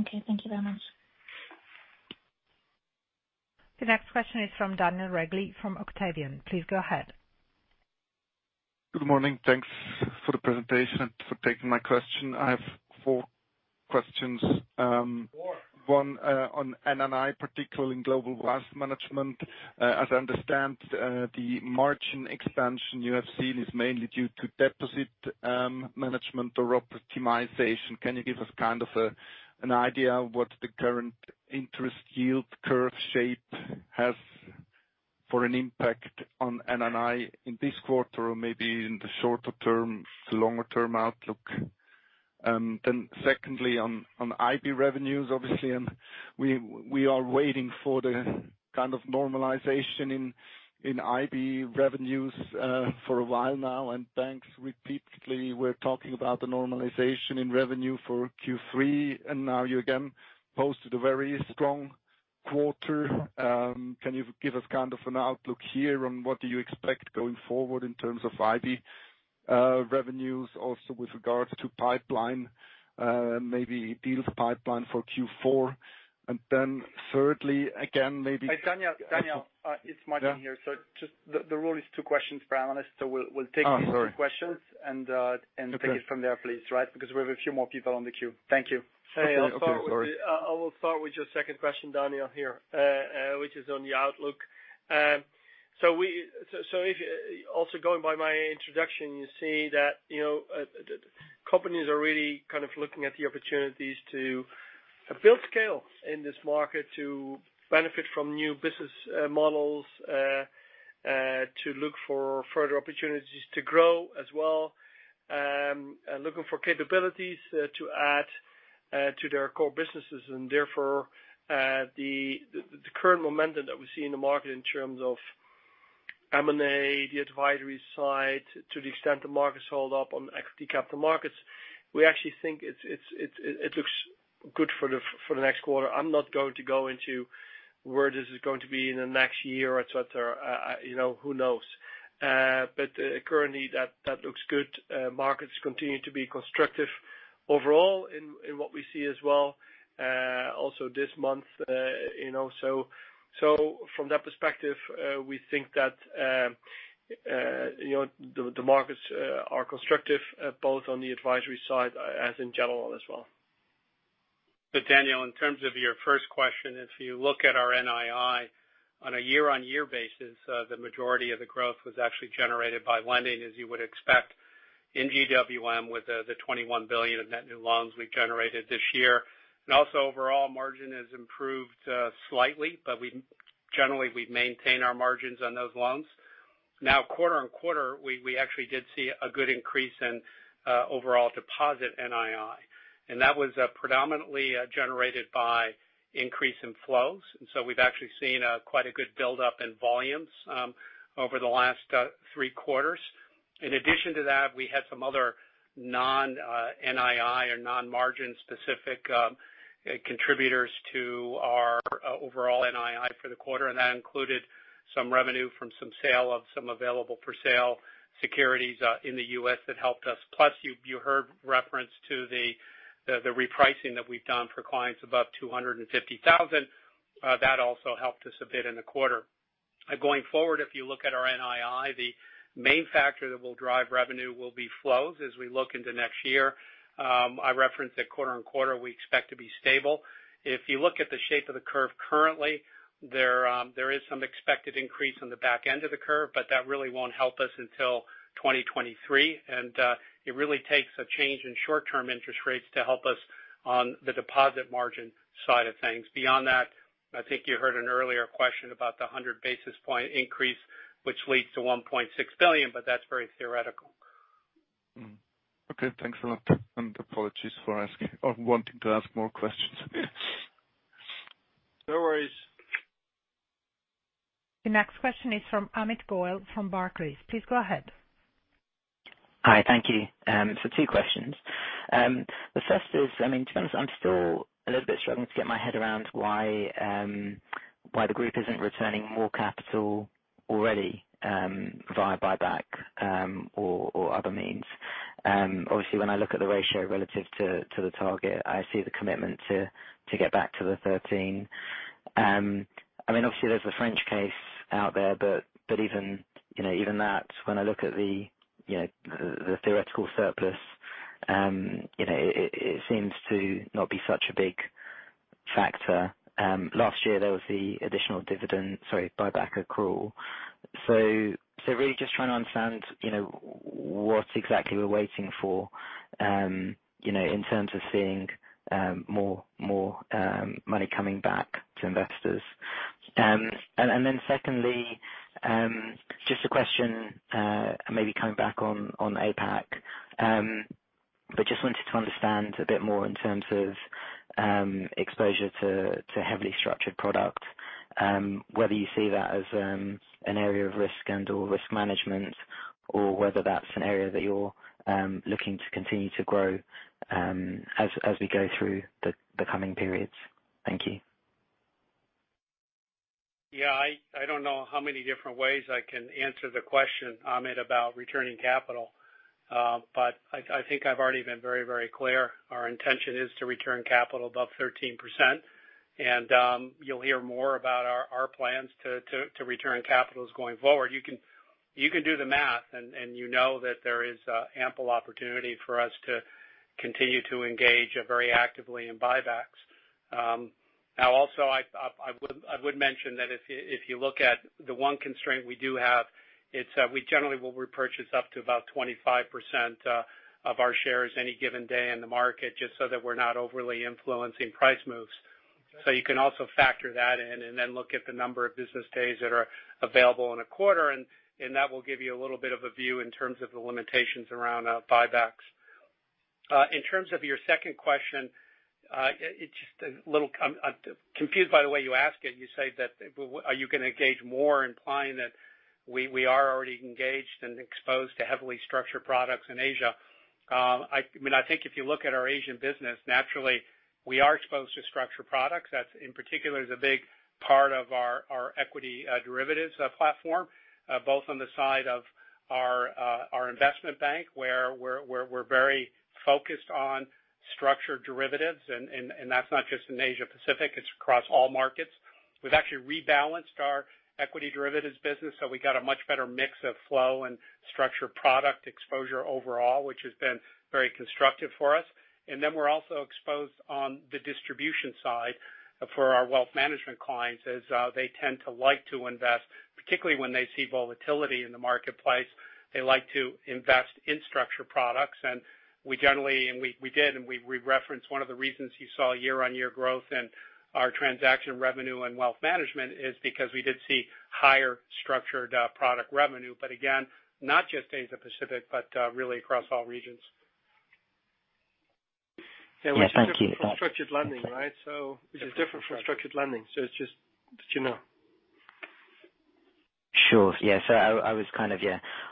Speaker 15: Okay. Thank you very much.
Speaker 1: The next question is from Daniel Regli, from Octavian. Please go ahead.
Speaker 16: Good morning. Thanks for the presentation and for taking my question. I have four questions. One, on NII, particularly in Global Wealth Management. As I understand, the margin expansion you have seen is mainly due to deposit management or optimization. Can you give us kind of an idea of what the current interest yield curve shape has for an impact on NII in this quarter or maybe in the shorter term, the longer-term outlook? Secondly, on IB revenues, obviously, and we are waiting for the kind of normalization in IB revenues for a while now. Banks repeatedly were talking about the normalization in revenue for Q3, and now you again posted a very strong quarter. Can you give us kind of an outlook here on what do you expect going forward in terms of IB revenues, also with regards to pipeline, maybe deals pipeline for Q4? Thirdly, again, maybe.
Speaker 2: Hey, Daniel, it's Martin here. Just the rule is two questions per analyst. We'll take these two questions.
Speaker 16: Oh, sorry.
Speaker 2: Take it from there, please, right? Because we have a few more people on the queue. Thank you.
Speaker 16: Okay. Sorry *crosstalk*
Speaker 3: I will start with your second question, Daniel, here, which is on the outlook. Also going by my introduction, you see that, you know, the companies are really kind of looking at the opportunities to build scale in this market, to benefit from new business models, to look for further opportunities to grow as well, and looking for capabilities to add to their core businesses. Therefore, the current momentum that we see in the market in terms of M&A, the advisory side, to the extent the markets hold up on equity capital markets, we actually think it looks good for the next quarter. I'm not going to go into where this is going to be in the next year, et cetera. You know, who knows? Currently, that looks good. Markets continue to be constructive overall in what we see as well, also this month, you know. From that perspective, we think that, you know, the markets are constructive, both on the advisory side as in general as well.
Speaker 4: Daniel, in terms of your first question, if you look at our NII on a year-on-year basis, the majority of the growth was actually generated by lending, as you would expect, in GWM with the 21 billion of net new loans we generated this year. Also overall margin has improved slightly, but generally, we've maintained our margins on those loans. Now, quarter-on-quarter, we actually did see a good increase in overall deposit NII, and that was predominantly generated by increase in flows. We've actually seen quite a good build-up in volumes over the last three quarters. In addition to that, we had some other non NII or non-margin specific contributors to our overall NII for the quarter, and that included some revenue from some sale of some available for sale securities in the U.S. that helped us. Plus, you heard reference to the repricing that we've done for clients above 250,000. That also helped us a bit in the quarter. Going forward, if you look at our NII, the main factor that will drive revenue will be flows as we look into next year. I referenced that quarter on quarter, we expect to be stable. If you look at the shape of the curve currently, there is some expected increase on the back end of the curve, but that really won't help us until 2023. It really takes a change in short-term interest rates to help us on the deposit margin side of things. Beyond that, I think you heard an earlier question about the 100 basis point increase, which leads to 1.6 billion, but that's very theoretical.
Speaker 16: Okay. Thanks a lot. Apologies for asking or wanting to ask more questions.
Speaker 3: No worries.
Speaker 1: The next question is from Amit Goel from Barclays. Please go ahead.
Speaker 17: Hi. Thank you. So two questions. The first is, I mean, to be honest, I'm still a little bit struggling to get my head around why the group isn't returning more capital already via buyback or other means. Obviously when I look at the ratio relative to the target, I see the commitment to get back to the 13. I mean, obviously there's the French case out there, but even, you know, even that, when I look at the theoretical surplus, you know, it seems to not be such a big factor. Last year there was the additional buyback accrual. Really just trying to understand, you know, what exactly we're waiting for in terms of seeing more money coming back to investors. Then secondly, just a question, maybe coming back on APAC. Just wanted to understand a bit more in terms of exposure to heavily structured product, whether you see that as an area of risk and/or risk management or whether that's an area that you're looking to continue to grow as we go through the coming periods. Thank you.
Speaker 4: Yeah. I don't know how many different ways I can answer the question, Amit, about returning capital. But I think I've already been very, very clear. Our intention is to return capital above 13%. You'll hear more about our plans to return capital going forward. You can do the math and you know that there is ample opportunity for us to continue to engage very actively in buybacks. Now also I would mention that if you look at the one constraint we do have, it's we generally will repurchase up to about 25% of our shares any given day in the market, just so that we're not overly influencing price moves. You can also factor that in and then look at the number of business days that are available in a quarter, and that will give you a little bit of a view in terms of the limitations around buybacks. In terms of your second question, it's just a little, I'm confused by the way you ask it. You say that are you gonna engage more, implying that we are already engaged and exposed to heavily structured products in Asia. When I think if you look at our Asian business, naturally we are exposed to structured products. That in particular is a big part of our equity derivatives platform, both on the side of our investment bank, where we're very focused on structured derivatives, and that's not just in Asia-Pacific, it's across all markets. We've actually rebalanced our equity derivatives business, so we got a much better mix of flow and structured product exposure overall, which has been very constructive for us. We're also exposed on the distribution side for our wealth management clients, as they tend to like to invest. Particularly when they see volatility in the marketplace, they like to invest in structured products. We referenced one of the reasons you saw year-on-year growth in our transaction revenue and wealth management is because we did see higher structured product revenue. Again, not just Asia-Pacific, but really across all regions.
Speaker 17: Yeah. Thank you.
Speaker 3: Structured lending, right? Which is different from structured lending. It's just Did you know?
Speaker 17: Sure. I was kind of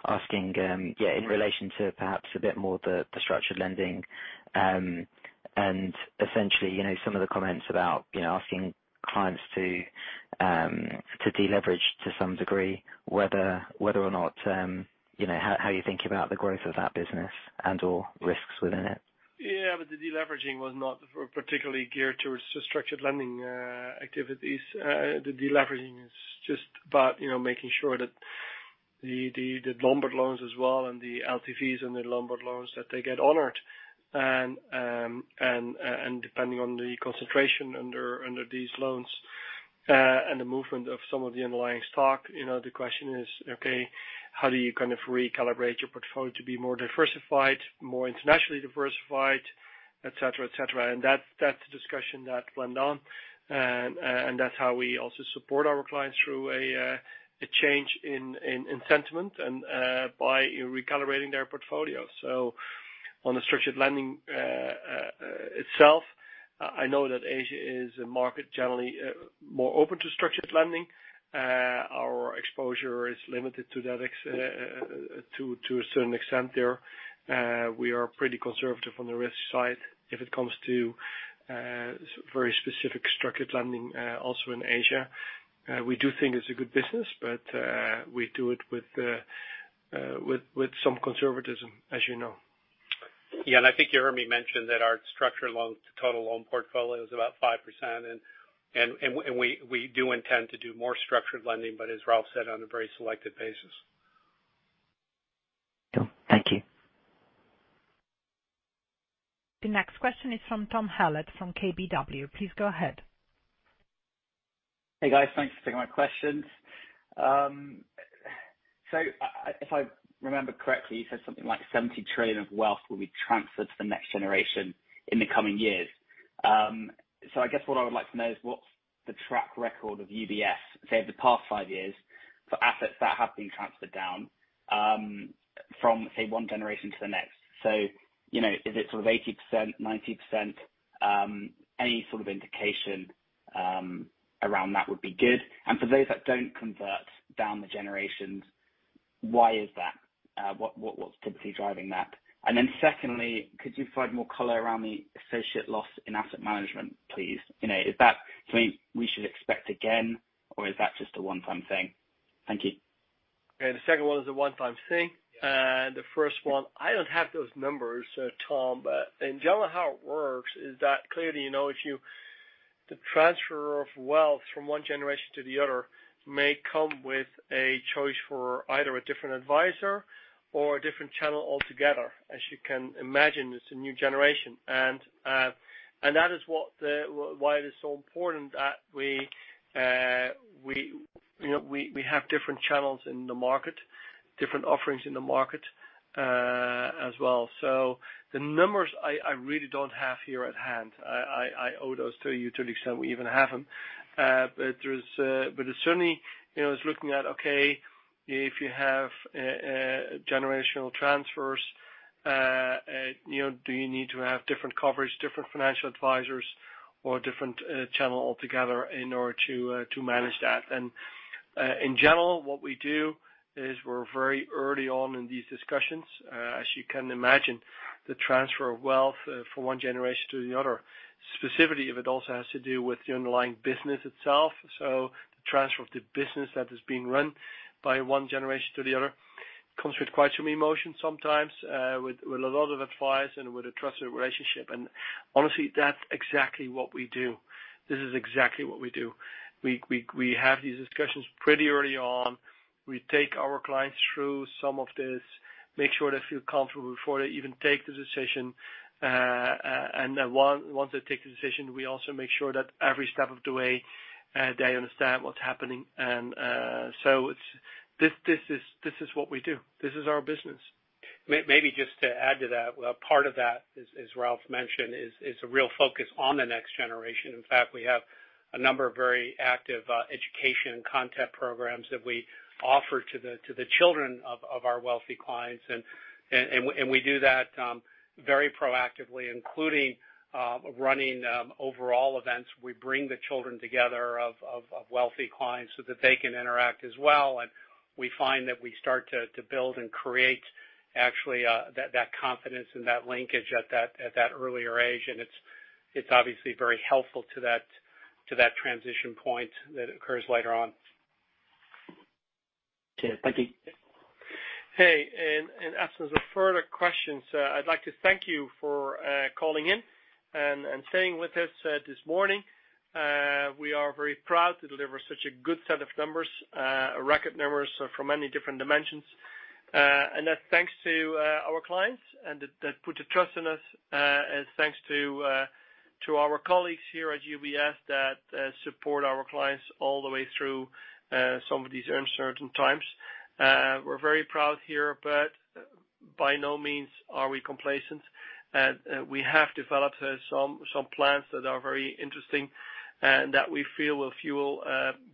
Speaker 17: asking in relation to perhaps a bit more the structured lending. Essentially, you know, some of the comments about, you know, asking clients to deleverage to some degree, whether or not, you know, how you think about the growth of that business and/or risks within it.
Speaker 3: The deleveraging was not for particularly geared towards structured lending activities. The deleveraging is just about making sure that the Lombard loans as well and the LTVs that they get honored. Depending on the concentration under these loans and the movement of some of the underlying stock, the question is how do you kind of recalibrate your portfolio to be more diversified, more internationally diversified, et cetera, et cetera? That's a discussion that went on. That's how we also support our clients through a change in sentiment and by recalibrating their portfolio. On the structured lending itself, I know that Asia is a market generally more open to structured lending. Our exposure is limited to that, to a certain extent there. We are pretty conservative on the risk side if it comes to very specific structured lending also in Asia. We do think it's a good business, but we do it with some conservatism, as you know.
Speaker 4: Yeah. I think you heard me mention that our structured loan to total loan portfolio is about 5%. We do intend to do more structured lending, but as Ralph said, on a very selective basis.
Speaker 17: Cool. Thank you.
Speaker 1: The next question is from Tom Hallett from KBW. Please go ahead.
Speaker 18: Hey, guys. Thanks for taking my questions. If I remember correctly, you said something like 70 trillion of wealth will be transferred to the next generation in the coming years. I guess what I would like to know is what's the track record of UBS, say the past five years for assets that have been transferred down from, say, one generation to the next. You know, is it sort of 80%, 90%? Any sort of indication around that would be good. For those that don't convert down the generations, why is that? What's typically driving that? Secondly, could you provide more color around the associated loss in asset management, please? You know, is that something we should expect again, or is that just a one-time thing? Thank you.
Speaker 3: Okay, the second one is a one-time thing. The first one, I don't have those numbers, Tom, but in general, how it works is that clearly, you know, the transfer of wealth from one generation to the other may come with a choice for either a different advisor or a different channel altogether. As you can imagine, it's a new generation. That is why it is so important that we, you know, have different channels in the market, different offerings in the market, as well. The numbers I owe those to you to the extent we even have them. It's certainly, you know, it's looking at, okay, if you have generational transfers, you know, do you need to have different coverage, different financial advisors or a different channel altogether in order to manage that? In general, what we do is we're very early on in these discussions. As you can imagine, the transfer of wealth from one generation to the other, specifically, if it also has to do with the underlying business itself. The transfer of the business that is being run by one generation to the other comes with quite some emotion sometimes, with a lot of advice and with a trusted relationship. Honestly, that's exactly what we do. This is exactly what we do. We have these discussions pretty early on. We take our clients through some of this, make sure they feel comfortable before they even take the decision. Once they take the decision, we also make sure that every step of the way, they understand what's happening. This is what we do. This is our business.
Speaker 4: Maybe just to add to that. Part of that, as Ralph mentioned, is a real focus on the next generation. In fact, we have a number of very active education content programs that we offer to the children of our wealthy clients. We do that very proactively, including running overall events. We bring the children of wealthy clients together so that they can interact as well. We find that we start to build and create actually that confidence and that linkage at that earlier age. It's obviously very helpful to that transition point that occurs later on.
Speaker 18: Okay. Thank you.
Speaker 3: Hey, in absence of further questions, I'd like to thank you for calling in and staying with us this morning. We are very proud to deliver such a good set of numbers, record numbers from many different dimensions. That's thanks to our clients who put their trust in us. Thanks to our colleagues here at UBS who support our clients all the way through some of these uncertain times. We're very proud here, but by no means are we complacent. We have developed some plans that are very interesting and that we feel will fuel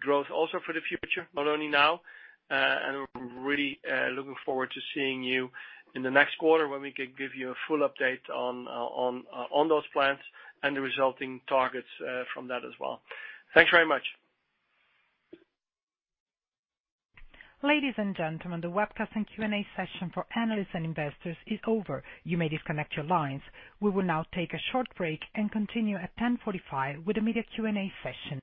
Speaker 3: growth also for the future, not only now, and we're really looking forward to seeing you in the next quarter when we can give you a full update on those plans and the resulting targets from that as well. Thanks very much.
Speaker 1: Ladies and gentlemen, the webcast and Q&A session for analysts and investors is over. You may disconnect your lines. We will now take a short break and continue at 10:45 A.M. with the media Q&A session.